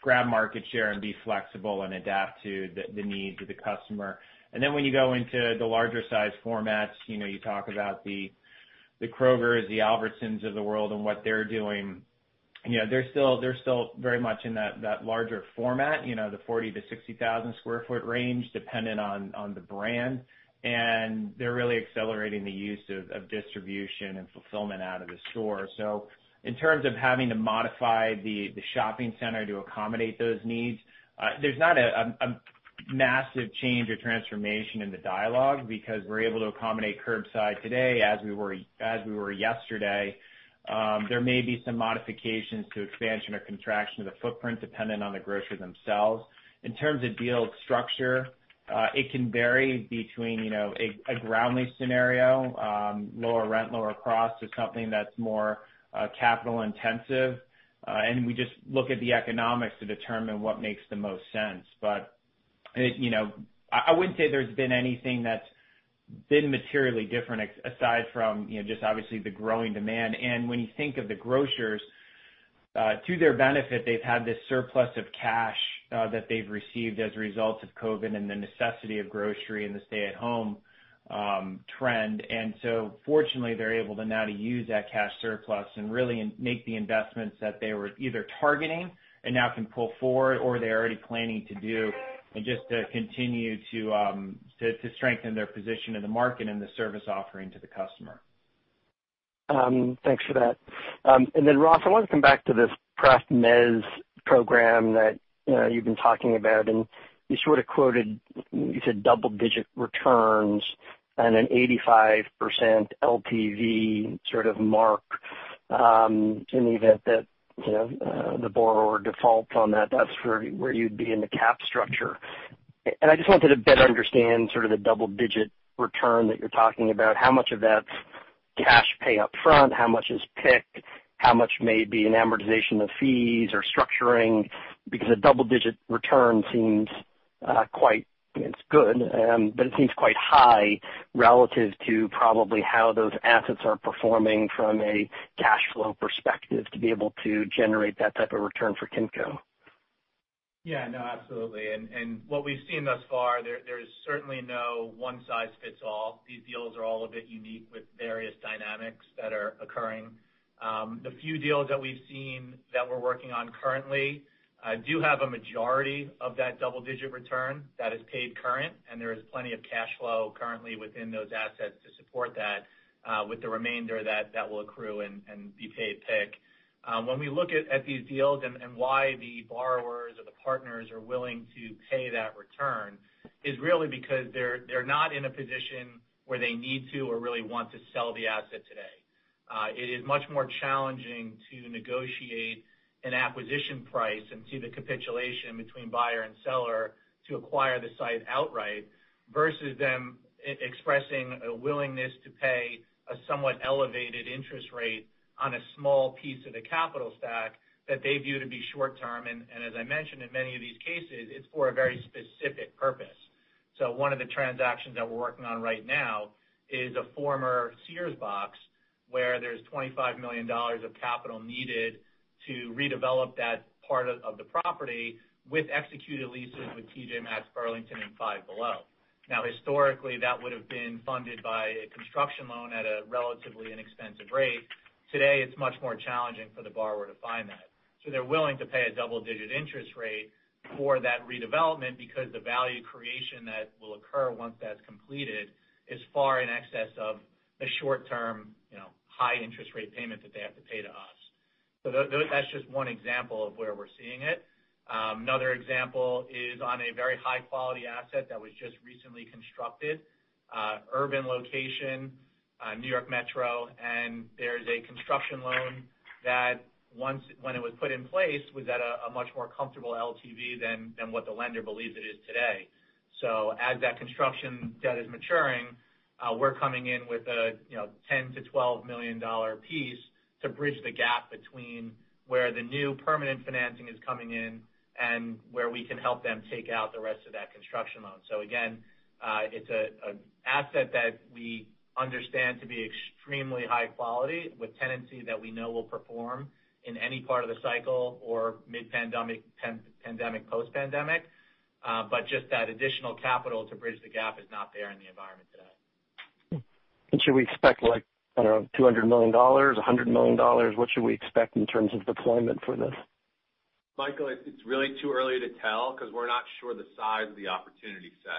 grab market share and be flexible and adapt to the needs of the customer. When you go into the larger size formats, you talk about the Krogers, the Albertsons of the world, and what they're doing. They're still very much in that larger format, the 40,000-60,000 sq ft range, dependent on the brand. They're really accelerating the use of distribution and fulfillment out of the store. In terms of having to modify the shopping center to accommodate those needs, there's not a massive change or transformation in the dialogue, because we're able to accommodate curbside today as we were yesterday. There may be some modifications to expansion or contraction of the footprint dependent on the grocer themselves. In terms of deal structure, it can vary between a ground lease scenario, lower rent, lower cost, or something that's more capital intensive. We just look at the economics to determine what makes the most sense. I wouldn't say there's been anything that's been materially different aside from just obviously the growing demand. When you think of the grocers, to their benefit, they've had this surplus of cash that they've received as a result of COVID and the necessity of grocery and the stay at home trend. Fortunately, they're able to now to use that cash surplus and really make the investments that they were either targeting and now can pull forward or they're already planning to do, and just to continue to strengthen their position in the market and the service offering to the customer. Thanks for that. Then Ross, I wanted to come back to this pref mezz program that you've been talking about, and you sort of quoted, you said double-digit returns and an 85% LTV sort of mark, in the event that the borrower defaults on that's where you'd be in the cap structure. I just wanted to better understand sort of the double-digit return that you're talking about. How much of that's cash pay up front, how much is PIK how much may be an amortization of fees or structuring? Because a double-digit return seems, it's good, but it seems quite high relative to probably how those assets are performing from a cash flow perspective to be able to generate that type of return for Kimco. Yeah. No, absolutely. What we've seen thus far, there is certainly no one-size-fits-all. These deals are all a bit unique with various dynamics that are occurring. The few deals that we've seen that we're working on currently do have a majority of that double-digit return that is paid current, and there is plenty of cash flow currently within those assets to support that, with the remainder that will accrue and be paid PIK. When we look at these deals and why the borrowers or the partners are willing to pay that return is really because they're not in a position where they need to or really want to sell the asset today. It is much more challenging to negotiate an acquisition price and see the capitulation between buyer and seller to acquire the site outright versus them expressing a willingness to pay a somewhat elevated interest rate on a small piece of the capital stack that they view to be short term. As I mentioned, in many of these cases, it's for a very specific purpose. One of the transactions that we're working on right now is a former Sears box where there's $25 million of capital needed to redevelop that part of the property with executed leases with T.J. Maxx, Burlington, and Five Below. Historically, that would've been funded by a construction loan at a relatively inexpensive rate. Today, it's much more challenging for the borrower to find that. They're willing to pay a double-digit interest rate for that redevelopment because the value creation that will occur once that's completed is far in excess of a short term high interest rate payment that they have to pay to us. That's just one example of where we're seeing it. Another example is on a very high-quality asset that was just recently constructed. Urban location, New York metro, and there's a construction loan that when it was put in place, was at a much more comfortable LTV than what the lender believes it is today. As that construction debt is maturing, we're coming in with a $10 million-$12 million piece to bridge the gap between where the new permanent financing is coming in and where we can help them take out the rest of that construction loan. Again, it's an asset that we understand to be extremely high quality with tenancy that we know will perform in any part of the cycle or mid-pandemic, post-pandemic. Just that additional capital to bridge the gap is not there in the environment today. Should we expect like, I don't know, $200 million, $100 million? What should we expect in terms of deployment for this? Michael, it's really too early to tell because we're not sure the size of the opportunity set.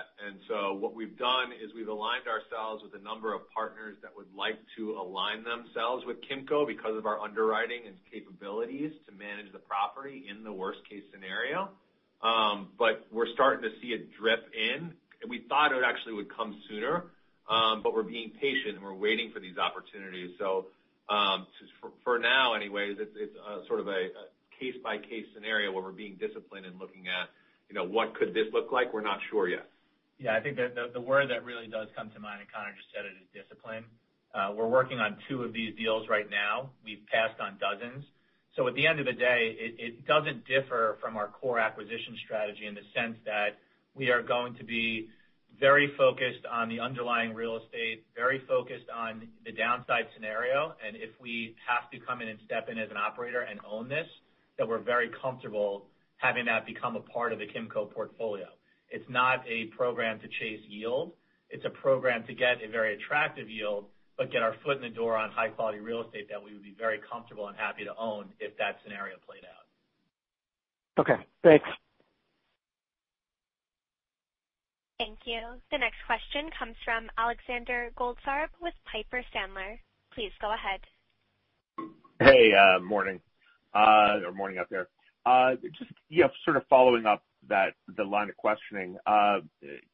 What we've done is we've aligned ourselves with a number of partners that would like to align themselves with Kimco because of our underwriting and capabilities to manage the property in the worst case scenario. We're starting to see it drip in. We thought it actually would come sooner, but we're being patient, and we're waiting for these opportunities. For now anyway, it's sort of a case-by-case scenario where we're being disciplined and looking- What could this look like? We're not sure yet. Yeah. I think the word that really does come to mind, and Conor just said it, is discipline. We're working on two of these deals right now. We've passed on dozens. At the end of the day, it doesn't differ from our core acquisition strategy in the sense that we are going to be very focused on the underlying real estate, very focused on the downside scenario, and if we have to come in and step in as an operator and own this, that we're very comfortable having that become a part of the Kimco portfolio. It's not a program to chase yield. It's a program to get a very attractive yield, but get our foot in the door on high-quality real estate that we would be very comfortable and happy to own if that scenario played out. Okay. Thanks. Thank you. The next question comes from Alexander Goldfarb with Piper Sandler. Please go ahead. Hey, morning. Morning out there. Just sort of following up the line of questioning.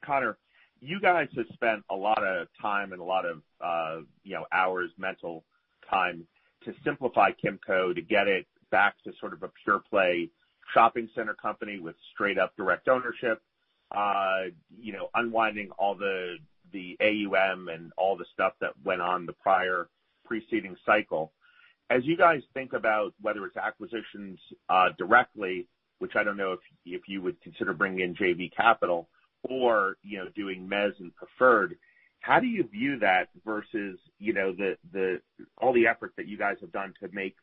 Conor, you guys have spent a lot of time and a lot of hours, mental time to simplify Kimco to get it back to sort of a pure-play shopping center company with straight up direct ownership, unwinding all the AUM and all the stuff that went on the prior preceding cycle. As you guys think about whether it's acquisitions directly, which I don't know if you would consider bringing in JV capital or doing mezz and preferred, how do you view that versus all the efforts that you guys have done to make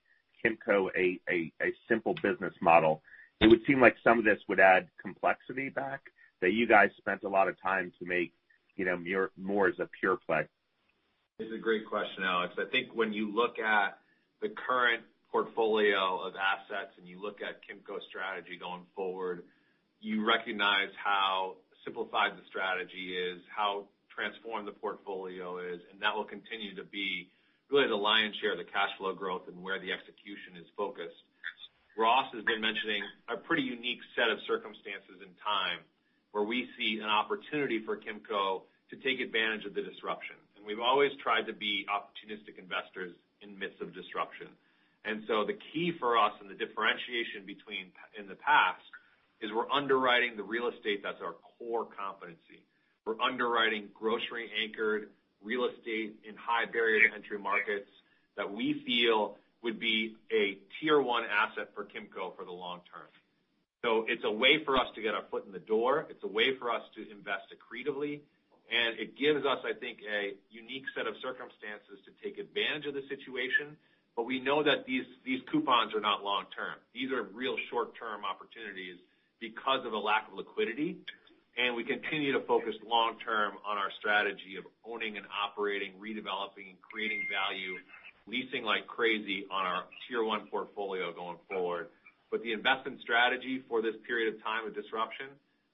Kimco a simple business model? It would seem like some of this would add complexity back that you guys spent a lot of time to make more as a pure play. It's a great question, Alex. I think when you look at the current portfolio of assets and you look at Kimco's strategy going forward, you recognize how simplified the strategy is, how transformed the portfolio is, that will continue to be really the lion's share of the cash flow growth and where the execution is focused. Ross has been mentioning a pretty unique set of circumstances and time where we see an opportunity for Kimco to take advantage of the disruption. We've always tried to be opportunistic investors in midst of disruption. The key for us and the differentiation in the past is we're underwriting the real estate that's our core competency. We're underwriting grocery-anchored real estate in high barrier to entry markets that we feel would be a Tier 1 asset for Kimco for the long term. It's a way for us to get our foot in the door. It's a way for us to invest accretively, and it gives us, I think, a unique set of circumstances to take advantage of the situation. We know that these coupons are not long-term. These are real short-term opportunities because of the lack of liquidity. We continue to focus long term on our strategy of owning and operating, redeveloping and creating value, leasing like crazy on our Tier 1 portfolio going forward. The investment strategy for this period of time of disruption,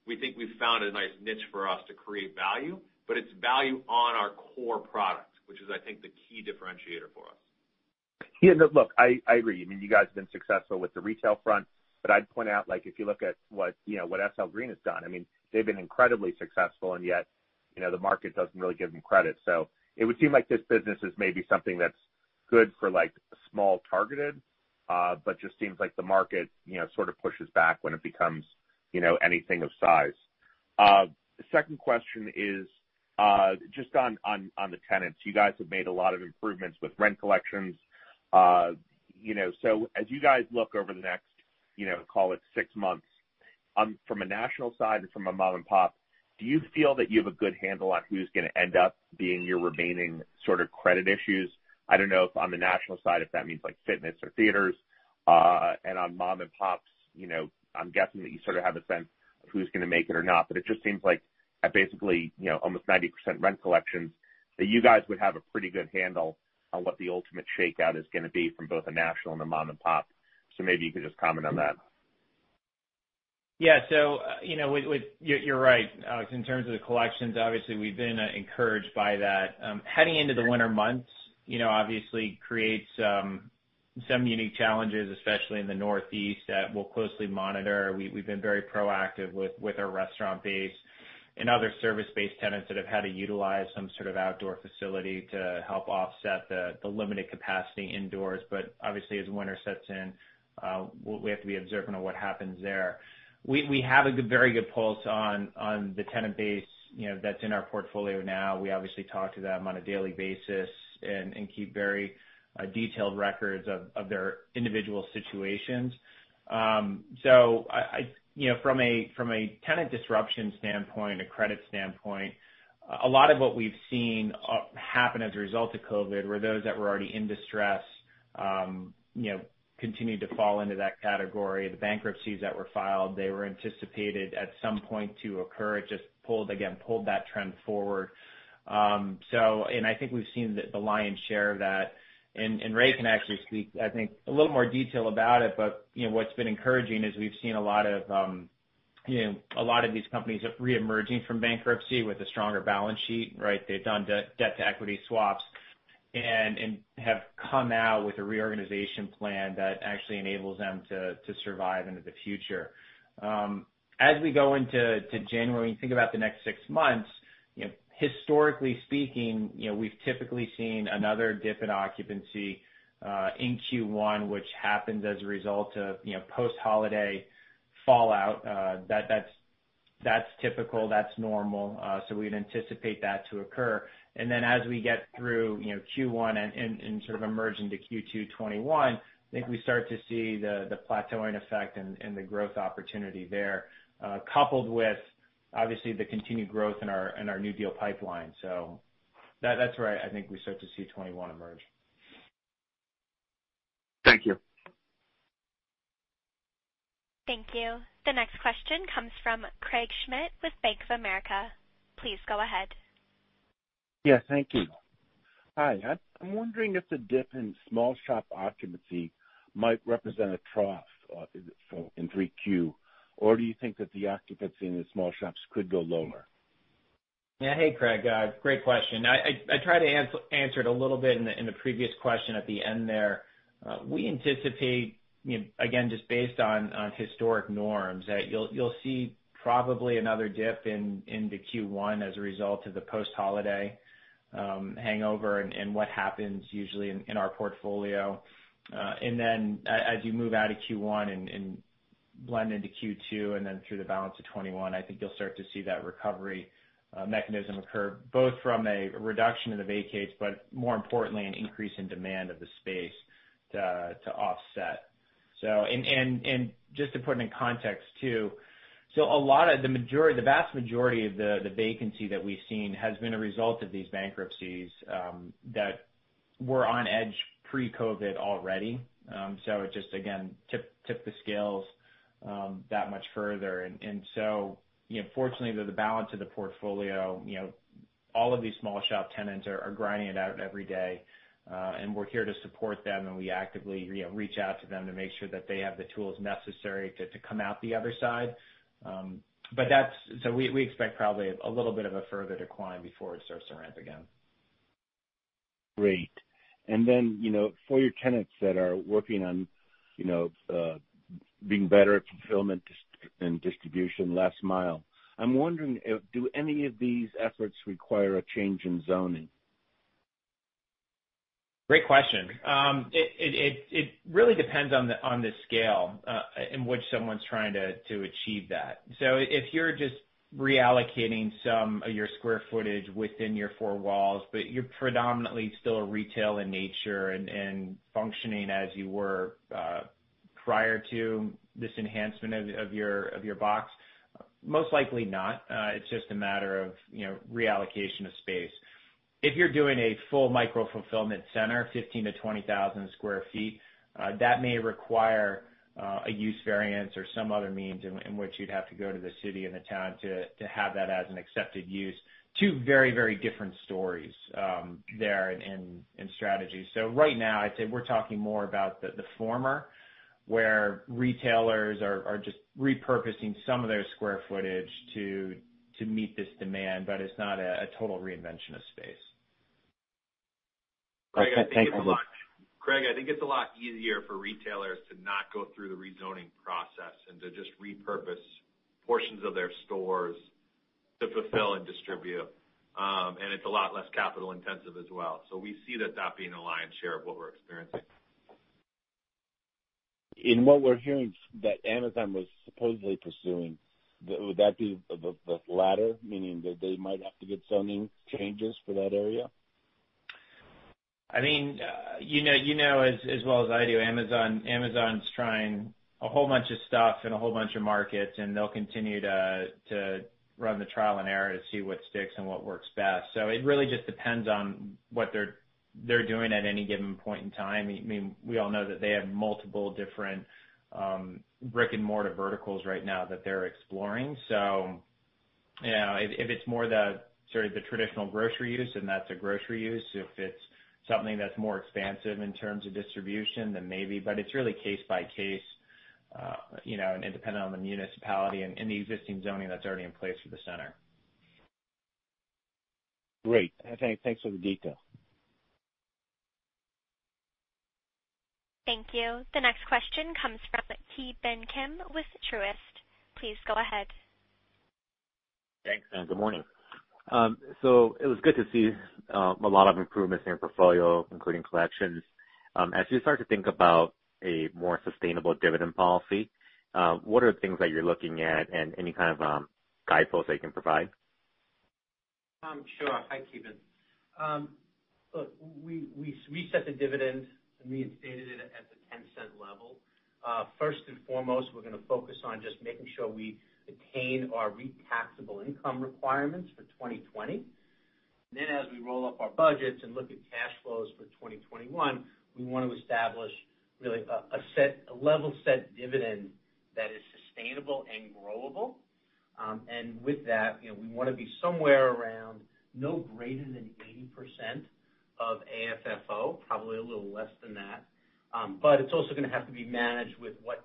we think we've found a nice niche for us to create value, but it's value on our core product, which is, I think, the key differentiator for us. Look, I agree. You guys have been successful with the retail front, but I'd point out, if you look at what SL Green has done, they've been incredibly successful, and yet the market doesn't really give them credit. It would seem like this business is maybe something that's good for small targeted, but just seems like the market sort of pushes back when it becomes anything of size. Second question is just on the tenants. You guys have made a lot of improvements with rent collections. As you guys look over the next, call it six months, from a national side and from a mom-and-pop, do you feel that you have a good handle on who's going to end up being your remaining sort of credit issues? I don't know if on the national side, if that means like fitness or theaters, and on mom and pops, I'm guessing that you sort of have a sense of who's going to make it or not. It just seems like at basically almost 90% rent collections, that you guys would have a pretty good handle on what the ultimate shakeout is going to be from both a national and a mom and pop. Maybe you could just comment on that. Yeah. You're right, Alex. In terms of the collections, obviously, we've been encouraged by that. Heading into the winter months obviously creates some unique challenges, especially in the Northeast, that we'll closely monitor. We've been very proactive with our restaurant base and other service-based tenants that have had to utilize some sort of outdoor facility to help offset the limited capacity indoors. Obviously as winter sets in, we have to be observant of what happens there. We have a very good pulse on the tenant base that's in our portfolio now. We obviously talk to them on a daily basis and keep very detailed records of their individual situations. From a tenant disruption standpoint, a credit standpoint, a lot of what we've seen happen as a result of COVID were those that were already in distress continued to fall into that category. The bankruptcies that were filed, they were anticipated at some point to occur. It just, again, pulled that trend forward. I think we've seen the lion's share of that. Ray can actually speak, I think, a little more detail about it. What's been encouraging is we've seen a lot of these companies reemerging from bankruptcy with a stronger balance sheet. They've done debt-to-equity swaps and have come out with a reorganization plan that actually enables them to survive into the future. As we go into January, and you think about the next six months. Historically speaking, we've typically seen another dip in occupancy in Q1, which happens as a result of post-holiday fallout. That's typical, that's normal. We'd anticipate that to occur. As we get through Q1 and sort of emerge into Q2 2021, I think we start to see the plateauing effect and the growth opportunity there, coupled with, obviously, the continued growth in our new deal pipeline. That's where I think we start to see 2021 emerge. Thank you. Thank you. The next question comes from Craig Schmidt with Bank of America. Please go ahead. Yeah, thank you. Hi. I'm wondering if the dip in small shop occupancy might represent a trough in 3Q, or do you think that the occupancy in the small shops could go lower? Yeah. Hey, Craig. Great question. I tried to answer it a little bit in the previous question at the end there. We anticipate, again, just based on historic norms, that you'll see probably another dip into Q1 as a result of the post-holiday hangover and what happens usually in our portfolio. As you move out of Q1 and blend into Q2 and through the balance of 2021, I think you'll start to see that recovery mechanism occur, both from a reduction in the vacates, but more importantly, an increase in demand of the space to offset. Just to put it in context too, the vast majority of the vacancy that we've seen has been a result of these bankruptcies that were on edge pre-COVID already. It just, again, tipped the scales that much further. Fortunately, the balance of the portfolio, all of these small shop tenants are grinding it out every day, and we're here to support them, and we actively reach out to them to make sure that they have the tools necessary to come out the other side. We expect probably a little bit of a further decline before it starts to ramp again. Great. For your tenants that are working on being better at fulfillment and distribution last mile, I'm wondering, do any of these efforts require a change in zoning? Great question. It really depends on the scale in which someone's trying to achieve that. If you're just reallocating some of your square footage within your four walls, but you're predominantly still retail in nature and functioning as you were prior to this enhancement of your box, most likely not. It's just a matter of reallocation of space. If you're doing a full micro-fulfillment center, 15,000-20,000 square feet, that may require a use variance or some other means in which you'd have to go to the city and the town to have that as an accepted use. Two very different stories there and strategies. Right now, I'd say we're talking more about the former, where retailers are just repurposing some of their square footage to meet this demand, but it's not a total reinvention of space. Alright, guys. Thank you so muxh. Craig, I think it's a lot easier for retailers to not go through the rezoning process and to just repurpose portions of their stores to fulfill and distribute. It's a lot less capital intensive as well. We see that that being the lion's share of what we're experiencing. In what we're hearing that Amazon was supposedly pursuing, would that be the latter, meaning that they might have to get zoning changes for that area? You know as well as I do, Amazon's trying a whole bunch of stuff in a whole bunch of markets, and they'll continue to run the trial and error to see what sticks and what works best. It really just depends on what they're doing at any given point in time. We all know that they have multiple different brick-and-mortar verticals right now that they're exploring. If it's more the sort of the traditional grocery use, then that's a grocery use. If it's something that's more expansive in terms of distribution, then maybe, but it's really case by case, and dependent on the municipality and the existing zoning that's already in place for the center. Great. Thanks for the detail. Thank you. The next question comes from Ki Bin Kim with Truist. Please go ahead. Thanks. Good morning. It was good to see a lot of improvements in your portfolio, including collections. As you start to think about a more sustainable dividend policy, what are the things that you're looking at and any kind of guideposts that you can provide? Sure. Hi, Ki Bin. Look, we set the dividend and we had stated it at the $0.10 level. First and foremost, we're going to focus on just making sure we attain our REIT taxable income requirements for 2020. As we roll up our budgets and look at cash flows for 2021, we want to establish really a level set dividend that is sustainable and growable. With that, we want to be somewhere around no greater than 80% of AFFO, probably a little less than that. It's also going to have to be managed with what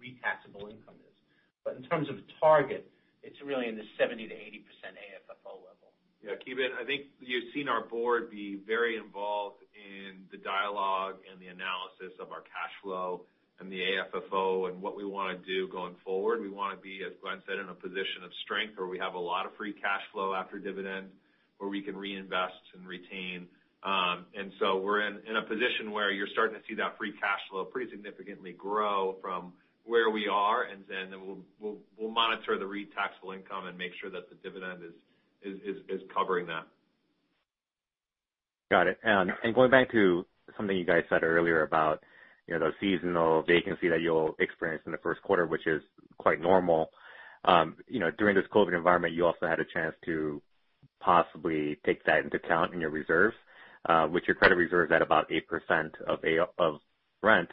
REIT taxable income is. In terms of target, it's really in the 70%-80% AFFO level. Yeah, Ki Bin, I think you've seen our board be very involved in the dialogue and the analysis of our cash flow and the AFFO and what we want to do going forward. We want to be, as Glenn said, in a position of strength where we have a lot of free cash flow after dividend, where we can reinvest and retain. We're in a position where you're starting to see that free cash flow pretty significantly grow from where we are, and then we'll monitor the REIT taxable income and make sure that the dividend is covering that. Got it. Going back to something you guys said earlier about the seasonal vacancy that you'll experience in the first quarter, which is quite normal. During this COVID environment, you also had a chance to possibly take that into account in your reserves. With your credit reserves at about 8% of rent,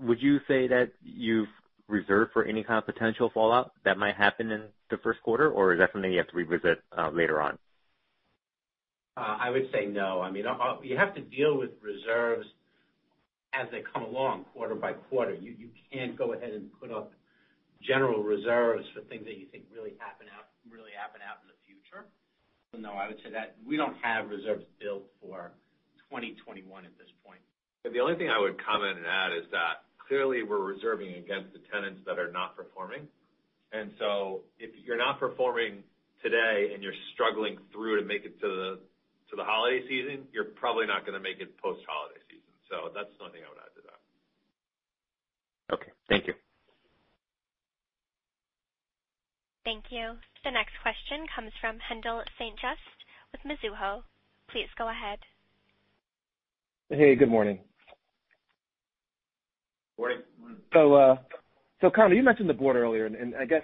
would you say that you've reserved for any kind of potential fallout that might happen in the first quarter, or is that something you have to revisit later on? I would say no. You have to deal with reserves as they come along quarter-by-quarter. You can't go ahead and put up general reserves for things that you think really happen out in the future. No, I would say that we don't have reserves built for 2021 at this point. The only thing I would comment and add is that clearly we're reserving against the tenants that are not performing. If you're not performing today and you're struggling through to make it to the holiday season, you're probably not going to make it post-holiday season. That's the only thing I would add to that. Okay, thank you. Thank you. The next question comes from Haendel St. Juste with Mizuho. Please go ahead. Hey, good morning. Morning. Conor, you mentioned the board earlier, and I guess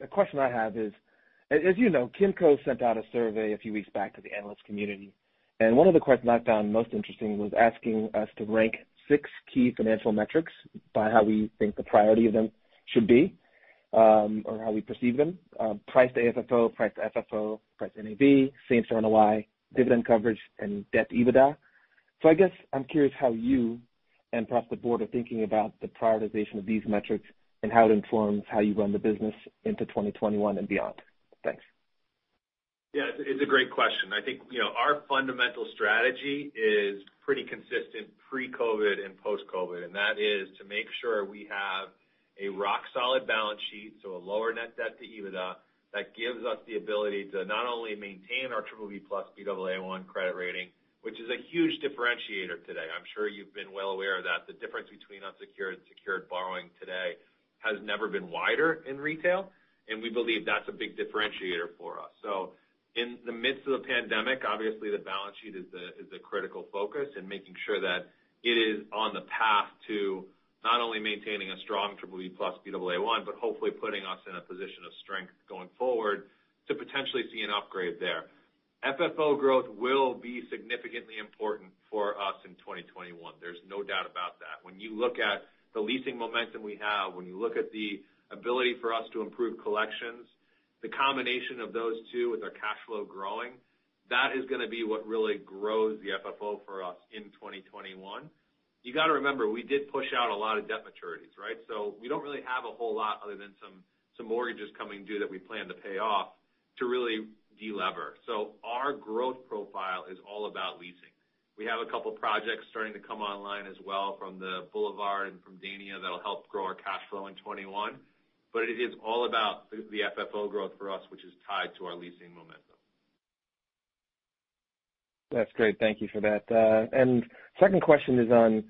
the question I have is, as you know, Kimco sent out a survey a few weeks back to the analyst community, and one of the questions I found most interesting was asking us to rank six key financial metrics by how we think the priority of them should be, or how we perceive them. Price to AFFO, price to FFO, price to NAV, same-store NOI, dividend coverage, and debt EBITDA. I guess I'm curious how you and perhaps the Board are thinking about the prioritization of these metrics and how it informs how you run the business into 2021 and beyond. Thanks. Yeah, it's a great question. I think our fundamental strategy is pretty consistent pre-COVID and post-COVID, that is to make sure we have a rock-solid balance sheet, so a lower net debt to EBITDA that gives us the ability to not only maintain our BBB+ Baa1 credit rating, which is a huge differentiator today. I'm sure you've been well aware that the difference between unsecured, secured borrowing today has never been wider in retail, and we believe that's a big differentiator for us. In the midst of the pandemic, obviously the balance sheet is a critical focus in making sure that it is on the path to not only maintaining a strong BBB+ Baa1, but hopefully putting us in a position of strength going forward to potentially see an upgrade there. FFO growth will be significantly important for us in 2021. There's no doubt about that. When you look at the leasing momentum we have, when you look at the ability for us to improve collections, the combination of those two with our cash flow growing, that is going to be what really grows the FFO for us in 2021. You got to remember, we did push out a lot of debt maturities, right? We don't really have a whole lot other than some mortgages coming due that we plan to pay off to really de-lever. Our growth profile is all about leasing. We have two projects starting to come online as well from The Boulevard and from Dania that'll help grow our cash flow in 2021. It is all about the FFO growth for us, which is tied to our leasing momentum. That's great. Thank you for that. Second question is on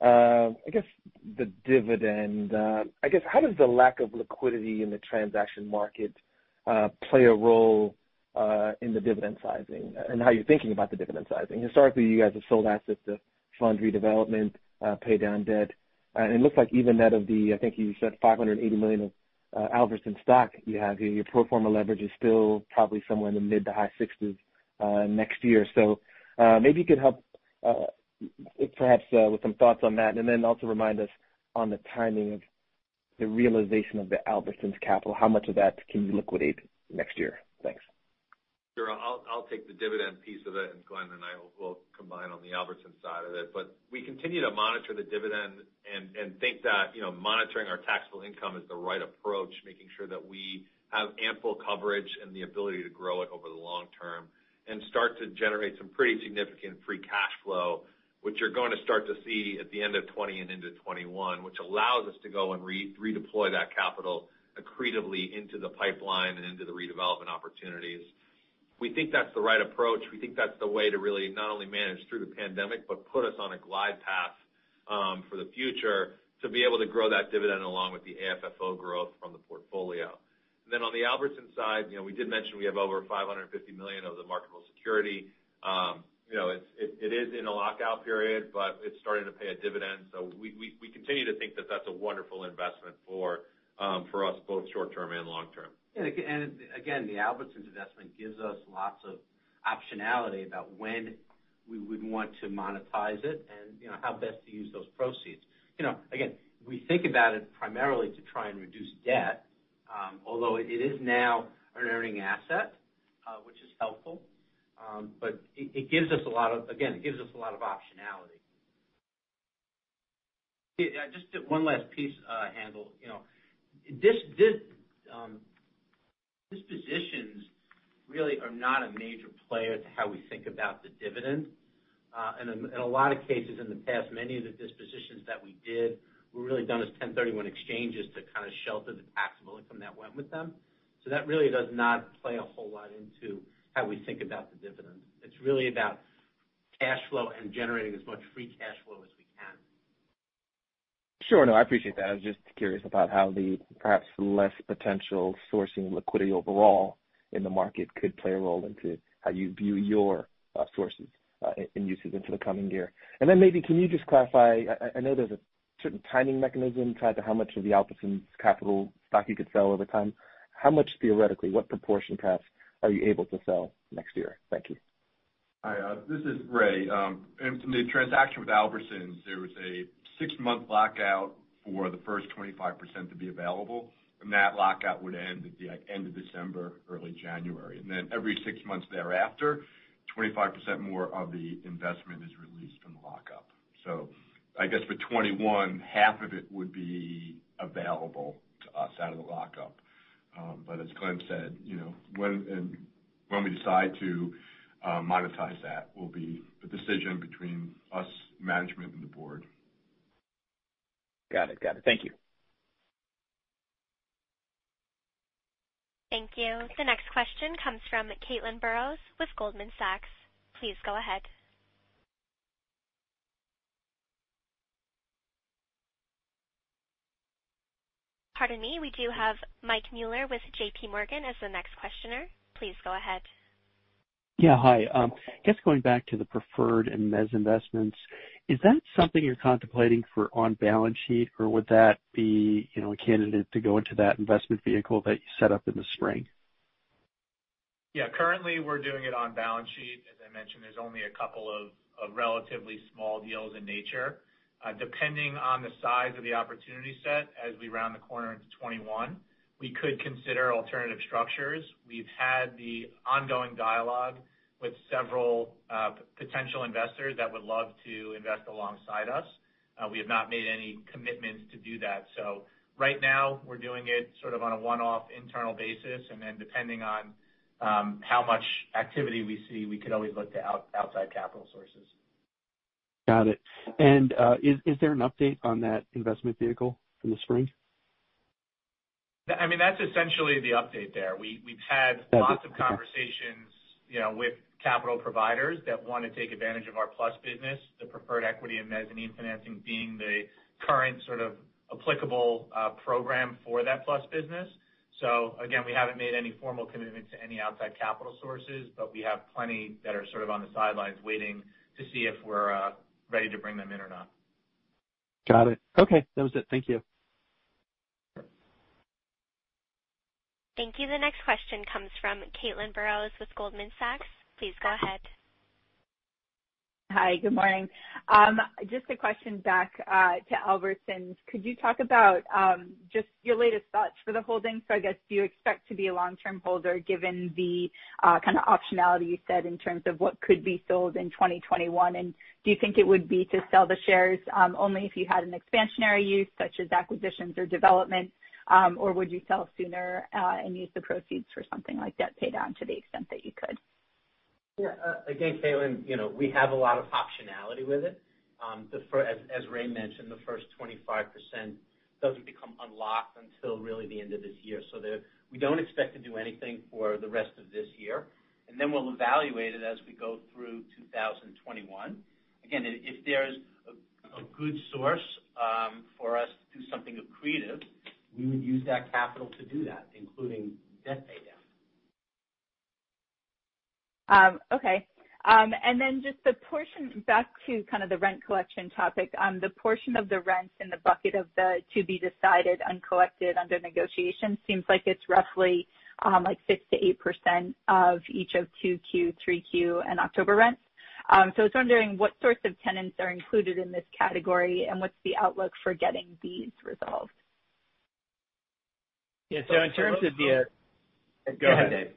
the dividend. How does the lack of liquidity in the transaction market play a role in the dividend sizing and how you're thinking about the dividend sizing? Historically, you guys have sold assets to fund redevelopment, pay down debt, and it looks like even net of the, I think you said $580 million of Albertsons stock you have here, your pro forma leverage is still probably somewhere in the mid-to-high 60s% next year. Maybe you could help perhaps with some thoughts on that, and then also remind us on the timing of the realization of the Albertsons capital. How much of that can you liquidate next year? Thanks. Sure. I'll take the dividend piece of it. Glenn and I will combine on the Albertsons side of it. We continue to monitor the dividend and think that monitoring our taxable income is the right approach, making sure that we have ample coverage and the ability to grow it over the long term and start to generate some pretty significant free cash flow, which you're going to start to see at the end of 2020 and into 2021, which allows us to go and redeploy that capital accretively into the pipeline and into the redevelopment opportunities. We think that's the right approach. We think that's the way to really not only manage through the pandemic, but put us on a glide path for the future to be able to grow that dividend along with the AFFO growth from the portfolio. On the Albertsons side, we did mention we have over $550 million of the marketable security. It is in a lockout period, but it's starting to pay a dividend. We continue to think that that's a wonderful investment for us, both short term and long term. Again, the Albertsons investment gives us lots of optionality about when we would want to monetize it and how best to use those proceeds. Again, we think about it primarily to try and reduce debt, although it is now an earning asset, which is helpful. It gives us a lot of optionality. Just one last piece, Haendel. Dispositions really are not a major player to how we think about the dividend. In a lot of cases in the past, many of the dispositions that we did were really done as 1031 exchanges to kind of shelter the taxable income that went with them. That really does not play a whole lot into how we think about the dividend. It's really about cash flow and generating as much free cash flow as we can. Sure. No, I appreciate that. I was just curious about how the perhaps less potential sourcing liquidity overall in the market could play a role into how you view your sources and uses into the coming year. Maybe can you just clarify, I know there's a certain timing mechanism tied to how much of the Albertsons capital stock you could sell over time. How much theoretically, what proportion perhaps are you able to sell next year? Thank you. Hi, this is Ray. From the transaction with Albertsons, there was a six-month lockout for the first 25% to be available, that lockout would end at the end of December, early January. Every six months thereafter, 25% more of the investment is released from the lockup. I guess for 2021, half of it would be available to us out of the lockup. As Glenn said, when we decide to monetize that will be the decision between us, management, and the Board. Got it. Thank you. Thank you. The next question comes from Caitlin Burrows with Goldman Sachs. Please go ahead. Pardon me. We do have Mike Mueller with JPMorgan as the next questioner. Please go ahead. Yeah. Hi. I guess going back to the preferred and mezz investments, is that something you're contemplating for on balance sheet, or would that be a candidate to go into that investment vehicle that you set up in the spring? Yeah. Currently, we're doing it on balance sheet. As I mentioned, there's only a couple of relatively small deals in nature. Depending on the size of the opportunity set as we round the corner into 2021, we could consider alternative structures. We've had the ongoing dialogue with several potential investors that would love to invest alongside us. We have not made any commitments to do that. Right now, we're doing it sort of on a one-off internal basis, and then depending on how much activity we see, we could always look to outside capital sources. Got it. Is there an update on that investment vehicle from the spring? That's essentially the update there. We've had lots of conversations with capital providers that want to take advantage of our Plus business, the preferred equity and mezzanine financing being the current sort of applicable program for that Plus business. Again, we haven't made any formal commitment to any outside capital sources, but we have plenty that are sort of on the sidelines waiting to see if we're ready to bring them in or not. Got it. Okay. That was it. Thank you. Thank you. The next question comes from Caitlin with Goldman Sachs. Please go ahead. Hi. Good morning. Just a question back to Albertsons. Could you talk about just your latest thoughts for the holding? I guess, do you expect to be a long-term holder given the kind of optionality you said in terms of what could be sold in 2021? Do you think it would be to sell the shares only if you had an expansionary use, such as acquisitions or development? Would you sell sooner and use the proceeds for something like debt pay down to the extent that you could? Yeah. Again, Caitlin, we have a lot of optionality with it. As Ray mentioned, the first 25% doesn't become unlocked until really the end of this year. We don't expect to do anything for the rest of this year, and then we'll evaluate it as we go through 2021. Again, if there's a good source for us to do something accretive, we would use that capital to do that, including debt pay down. Okay. Just the portion back to kind of the rent collection topic. The portion of the rents in the bucket of the to be decided uncollected under negotiation seems like it's roughly 6%-8% of each of 2Q, 3Q, and October rents. I was wondering what sorts of tenants are included in this category, and what's the outlook for getting these resolved? Yeah. Go ahead, Dave.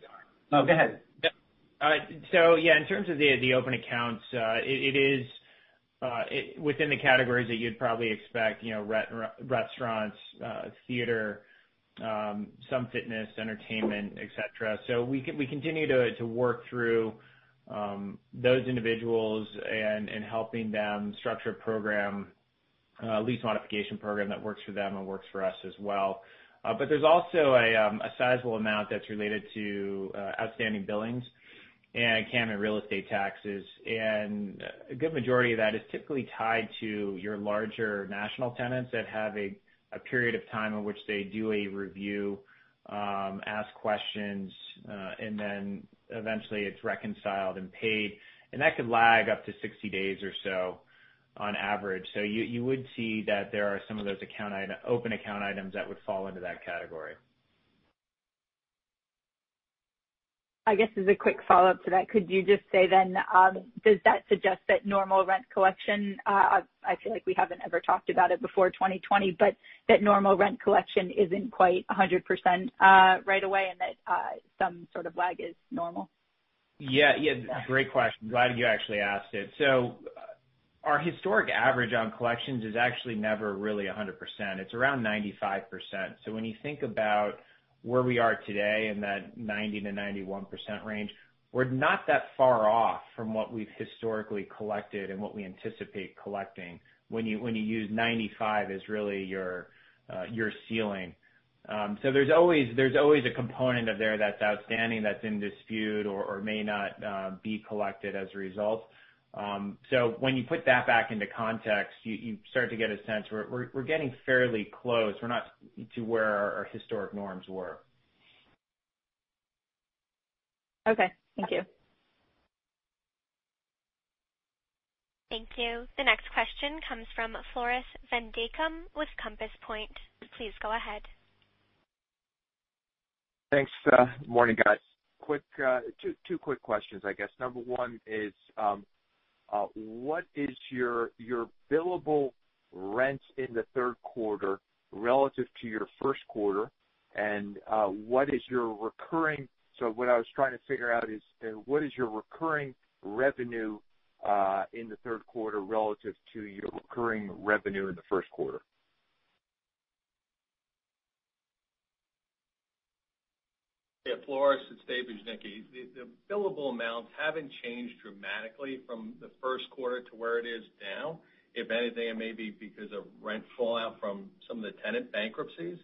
No, go ahead. Yeah, in terms of the open accounts, it is within the categories that you'd probably expect, restaurants, theater, some fitness, entertainment, et cetera. We continue to work through those individuals and helping them structure a lease modification program that works for them and works for us as well. There's also a sizable amount that's related to outstanding billings and CAM and real estate taxes. A good majority of that is typically tied to your larger national tenants that have a period of time in which they do a review, ask questions, and then eventually it's reconciled and paid. That could lag up to 60 days or so on average. You would see that there are some of those open account items that would fall into that category. I guess as a quick follow-up to that, could you just say then, does that suggest that normal rent collection, I feel like we haven't ever talked about it before 2020, but that normal rent collection isn't quite 100% right away and that some sort of lag is normal? Yeah. Great question. Glad you actually asked it. Our historic average on collections is actually never really 100%. It's around 95%. When you think about where we are today in that 90%-91% range, we're not that far off from what we've historically collected and what we anticipate collecting when you use 95% as really your ceiling. There's always a component of there that's outstanding, that's in dispute or may not be collected as a result. When you put that back into context, you start to get a sense we're getting fairly close to where our historic norms were. Okay, thank you. Thank you. The next question comes from Floris van Dijkum with Compass Point. Please go ahead. Thanks. Morning, guys. Two quick questions, I guess. Number one is, what is your billable rent in the third quarter relative to your first quarter? What I was trying to figure out is, what is your recurring revenue in the third quarter relative to your recurring revenue in the first quarter? Yeah, Floris, it's David Bujnicki. The billable amounts haven't changed dramatically from the first quarter to where it is now. If anything, it may be because of rent fallout from some of the tenant bankruptcies.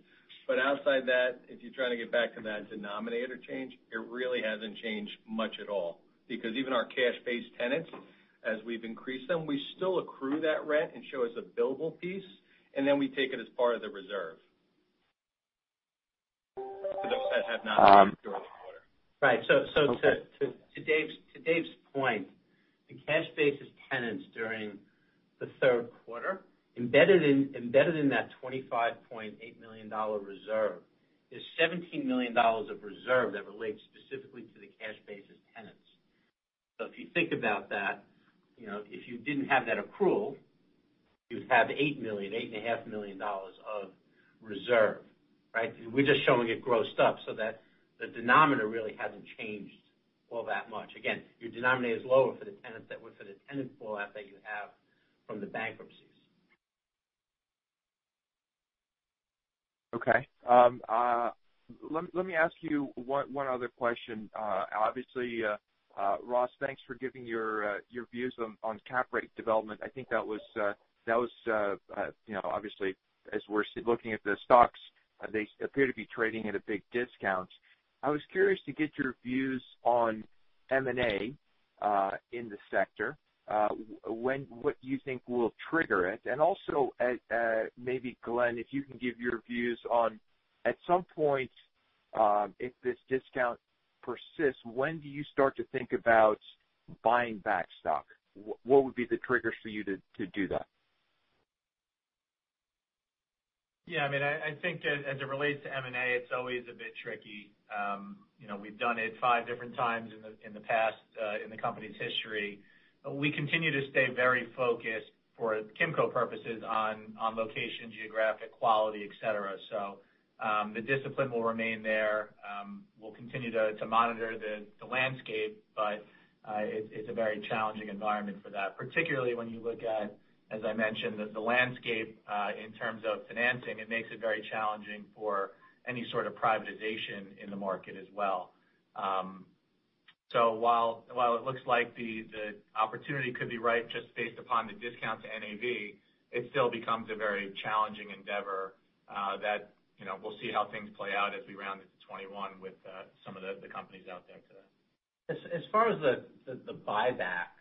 Outside that, if you're trying to get back to that denominator change, it really hasn't changed much at all. Even our cash-based tenants, as we've increased them, we still accrue that rent and show as a billable piece, and then we take it as part of the reserve for those that have not during the quarter. Right. To Dave's point, the cash-basis tenants during the third quarter, embedded in that $25.8 million reserve is $17 million of reserve that relates specifically to the cash-basis tenants. If you think about that, if you didn't have that accrual, you'd have $8 million, $8.5 million of reserve, right? We're just showing it grossed up so that the denominator really hasn't changed all that much. Again, your denominator is lower for the tenant fallout that you have from the bankruptcies. Okay. Let me ask you one other question. Obviously, Ross, thanks for giving your views on cap rate development. I think that was obviously as we're looking at the stocks, they appear to be trading at a big discount. I was curious to get your views on M&A, in the sector, what you think will trigger it. Also, maybe Glenn, if you can give your views on, at some point, if this discount persists, when do you start to think about buying back stock? What would be the triggers for you to do that? Yeah, I think as it relates to M&A, it's always a bit tricky. We've done it five different times in the past in the company's history. We continue to stay very focused for Kimco purposes on location, geographic quality, et cetera. The discipline will remain there. We'll continue to monitor the landscape, it's a very challenging environment for that. Particularly when you look at, as I mentioned, the landscape in terms of financing, it makes it very challenging for any sort of privatization in the market as well. While it looks like the opportunity could be right just based upon the discount to NAV, it still becomes a very challenging endeavor that we'll see how things play out as we round into 2021 with some of the companies out there today. As far as the buyback,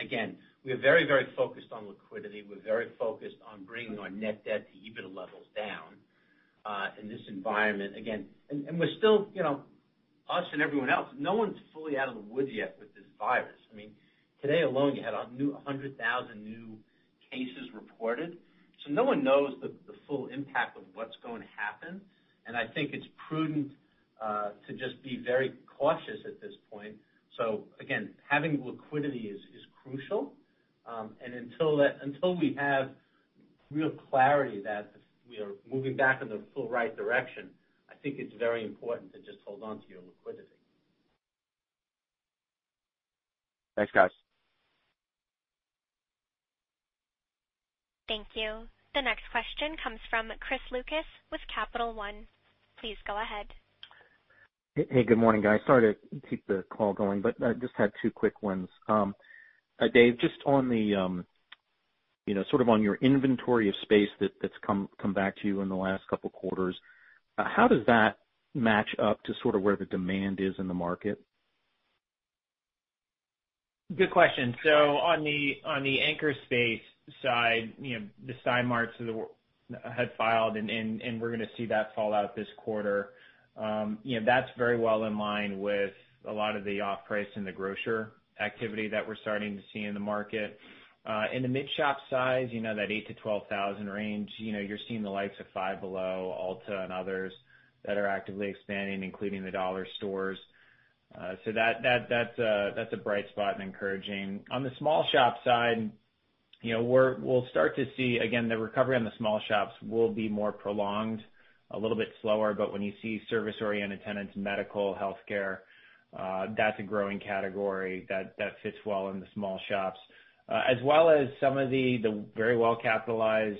again, we are very focused on liquidity. We're very focused on bringing our net debt to EBITDA levels down, in this environment. Again, us and everyone else, no one's fully out of the woods yet with this virus. Today alone, you had 100,000 new cases reported. No one knows the full impact of what's going to happen. I think it's prudent to just be very cautious at this point. Again, having liquidity is crucial. Until we have real clarity that we are moving back in the full right direction, I think it's very important to just hold onto your liquidity. Thanks, guys. Thank you. The next question comes from Chris Lucas with Capital One. Please go ahead. Hey, good morning, guys. Sorry to keep the call going, but I just had two quick ones. Dave, just sort of on your inventory of space that's come back to you in the last couple of quarters, how does that match up to sort of where the demand is in the market? Good question. On the anchor space side, the Stein Mart had filed and we're going to see that fall out this quarter. That's very well in line with a lot of the off-price and the grocer activity that we're starting to see in the market. In the mid shop size, that 8,000-12,000 range, you're seeing the likes of Five Below, Ulta, and others that are actively expanding, including the dollar stores. That's a bright spot and encouraging. On the small shop side, we'll start to see, again, the recovery on the small shops will be more prolonged, a little bit slower, but when you see service-oriented tenants, medical, healthcare, that's a growing category that fits well in the small shops. As well as some of the very well-capitalized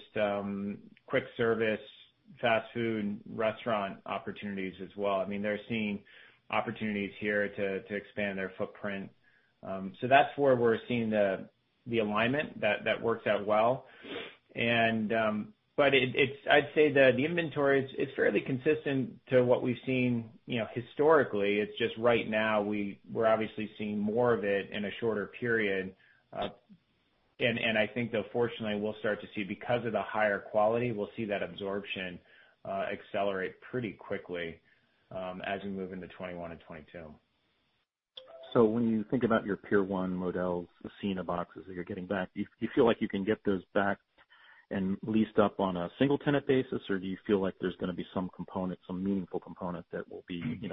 quick service fast food and restaurant opportunities as well. They're seeing opportunities here to expand their footprint. That's where we're seeing the alignment that works out well. I'd say the inventory, it's fairly consistent to what we've seen historically. It's just right now we're obviously seeing more of it in a shorter period. I think, though, fortunately, we'll start to see, because of the higher quality, we'll see that absorption accelerate pretty quickly as we move into 2021 and 2022. When you think about your Tier 1 models, the Sears boxes that you're getting back, do you feel like you can get those back and leased up on a single tenant basis? Or do you feel like there's going to be some component, some meaningful component, that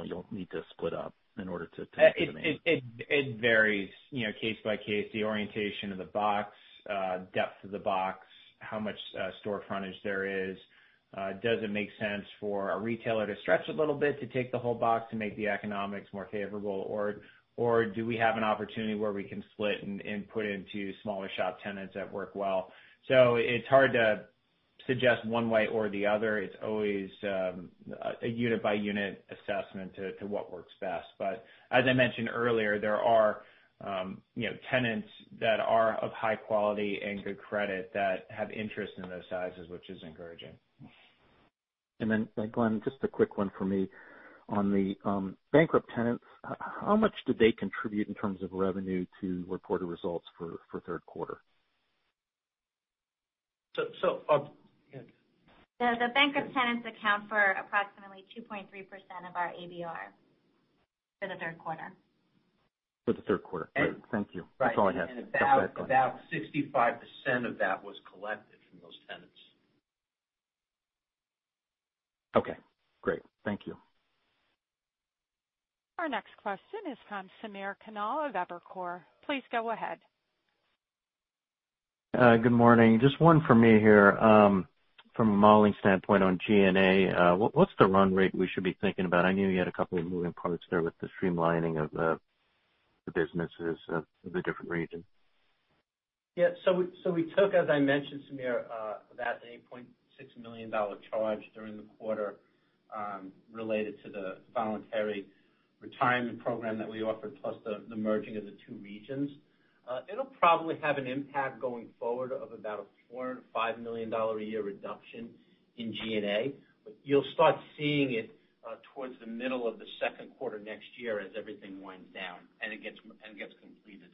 you'll need to split up in order to? It varies case by case, the orientation of the box, depth of the box, how much store frontage there is. Does it make sense for a retailer to stretch a little bit to take the whole box to make the economics more favorable? Do we have an opportunity where we can split and put into smaller shop tenants that work well? It's hard to suggest one way or the other. It's always a unit-by-unit assessment to what works best. As I mentioned earlier, there are tenants that are of high quality and good credit that have interest in those sizes, which is encouraging. Glenn, just a quick one from me. On the bankrupt tenants, how much did they contribute in terms of revenue to reported results for third quarter? Yeah. The bankrupt tenants account for approximately 2.3% of our ABR for the third quarter. For the third quarter. Great. Thank you. That's all I had. About 65% of that was collected from those tenants. Okay, great. Thank you. Our next question is from Samir Khanal of Evercore. Please go ahead. Good morning. Just one for me here. From a modeling standpoint on G&A, what's the run rate we should be thinking about? I know you had a couple of moving parts there with the streamlining of the businesses of the different regions. We took, as I mentioned, Samir, that $8.6 million charge during the quarter related to the voluntary retirement program that we offered, plus the merging of the two regions. It'll probably have an impact going forward of about a $4 million-$5 million a year reduction in G&A, but you'll start seeing it towards the middle of the second quarter next year as everything winds down and gets completed.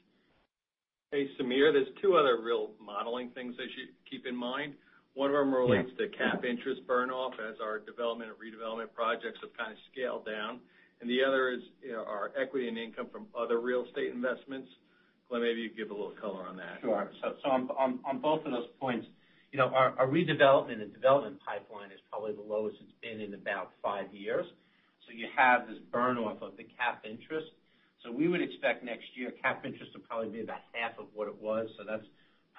Hey, Samir. There's two other real modeling things that you should keep in mind. One of them relates to cap interest burn-off as our development and redevelopment projects have kind of scaled down. The other is our equity in income from other real estate investments. Glenn, maybe you could give a little color on that. Sure. On both of those points, our redevelopment and development pipeline is probably the lowest it's been in about five years. You have this burn-off of the cap interest. We would expect next year cap interest to probably be about half of what it was. That's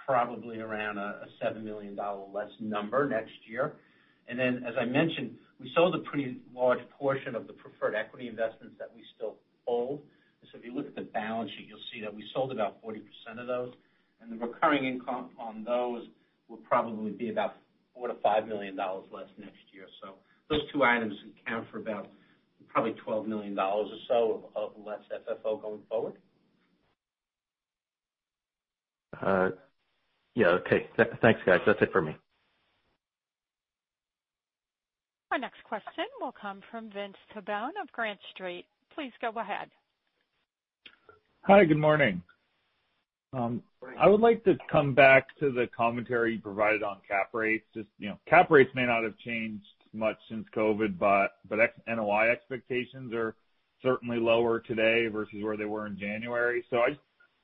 probably around a $7 million less number next year. Then, as I mentioned, we sold a pretty large portion of the preferred equity investments that we still hold. If you look at the balance sheet, you'll see that we sold about 40% of those. The recurring income on those will probably be about $4 million-$5 million less next year. Those two items account for about probably $12 million or so of less FFO going forward. Yeah. Okay. Thanks, guys. That's it for me. Our next question will come from Vincent Tabone of Green Street. Please go ahead. Hi. Good morning. I would like to come back to the commentary you provided on cap rates. Cap rates may not have changed much since COVID, but NOI expectations are certainly lower today versus where they were in January. I just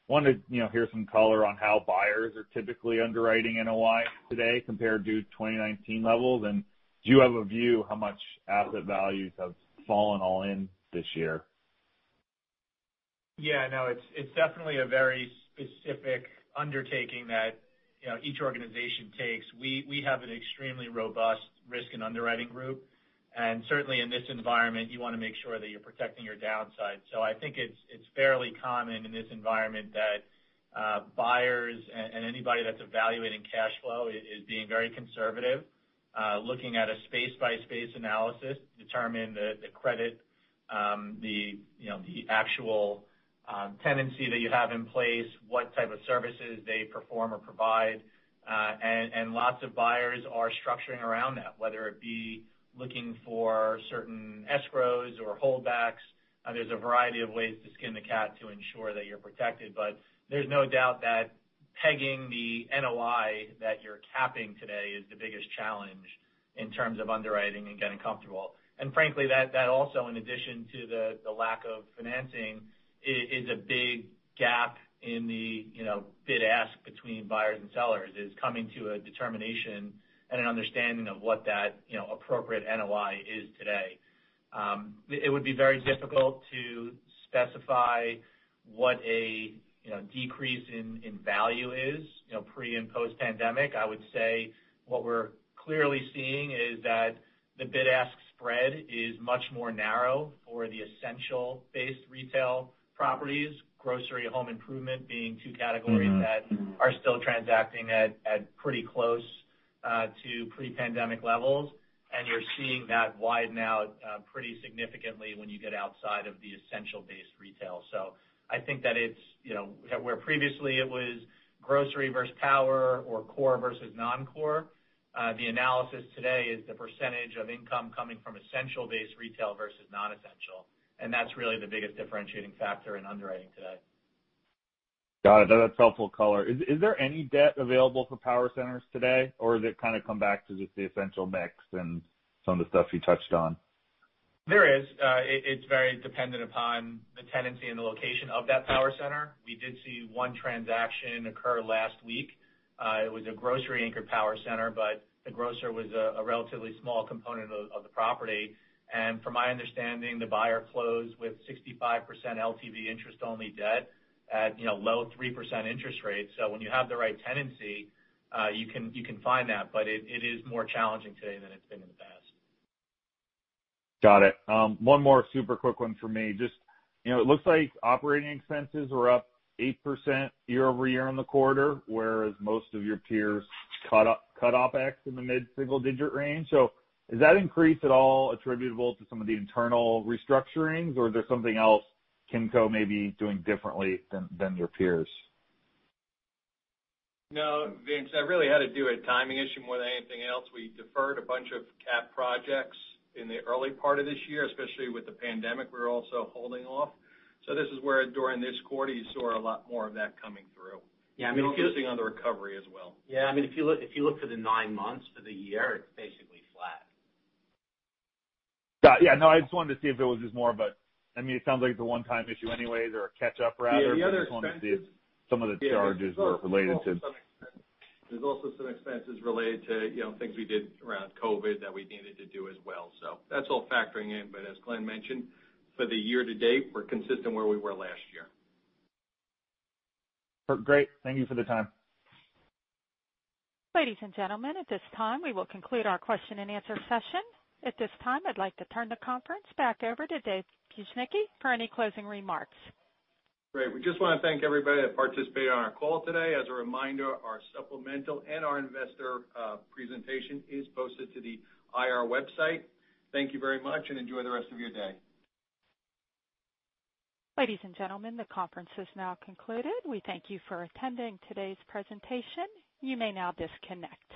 wanted to hear some color on how buyers are typically underwriting NOI today compared to 2019 levels. Do you have a view how much asset values have fallen all in this year? Yeah, no, it's definitely a very specific undertaking that each organization takes. We have an extremely robust risk and underwriting group. Certainly in this environment, you want to make sure that you're protecting your downside. I think it's fairly common in this environment that buyers and anybody that's evaluating cash flow is being very conservative, looking at a space-by-space analysis to determine the credit, the actual tenancy that you have in place, what type of services they perform or provide. Lots of buyers are structuring around that, whether it be looking for certain escrows or holdbacks. There's a variety of ways to skin the cat to ensure that you're protected. There's no doubt that pegging the NOI that you're capping today is the biggest challenge in terms of underwriting and getting comfortable. Frankly, that also, in addition to the lack of financing, is a big gap in the bid-ask between buyers and sellers, is coming to a determination and an understanding of what that appropriate NOI is today. It would be very difficult to specify what a decrease in value is pre- and post-pandemic. I would say what we're clearly seeing is that the bid-ask spread is much more narrow for the essential-based retail properties, grocery and home improvement being two categories that are still transacting at pretty close to pre-pandemic levels, and you're seeing that widen out pretty significantly when you get outside of the essential-based retail. I think that where previously it was grocery versus power or core versus non-core, the analysis today is the percentage of income coming from essential-based retail versus non-essential. That's really the biggest differentiating factor in underwriting today. Got it. That's helpful color. Is there any debt available for power centers today, or does it kind of come back to just the essential mix and some of the stuff you touched on? There is. It's very dependent upon the tenancy and the location of that power center. We did see one transaction occur last week. It was a grocery-anchored power center, but the grocer was a relatively small component of the property. From my understanding, the buyer closed with 65% LTV interest-only debt at low 3% interest rates. When you have the right tenancy, you can find that. It is more challenging today than it's been in the past. Got it. One more super quick one from me. It looks like operating expenses are up 8% year-over-year on the quarter, whereas most of your peers cut OpEx in the mid-single-digit range. Is that increase at all attributable to some of the internal restructurings, or is there something else Kimco may be doing differently than your peers? No, Vince, that really had to do with a timing issue more than anything else. We deferred a bunch of CapEx projects in the early part of this year, especially with the pandemic, we were also holding off. This is where, during this quarter, you saw a lot more of that coming through. Yes, meaning we're focusing on the recovery as well. Yeah. I mean, if you look for the nine months for the year, it's basically flat. Got it. Yeah, no, I just wanted to see if it was just more of a I mean, it sounds like it's a one-time issue anyway or a catch-up rather. Yeah, the other expense- Just wanted to see if some of the charges were related to. There's also some expenses related to things we did around COVID that we needed to do as well. That's all factoring in, but as Glenn mentioned, for the year-to-date, we're consistent where we were last year. Great. Thank you for the time. Ladies and gentlemen, at this time, we will conclude our question-and-answer session. At this time, I'd like to turn the conference back over to David Bujnicki for any closing remarks. Great. We just want to thank everybody that participated on our call today. As a reminder, our supplemental and our investor presentation is posted to the IR website. Thank you very much, and enjoy the rest of your day. Ladies and gentlemen, the conference is now concluded. We thank you for attending today's presentation. You may now disconnect.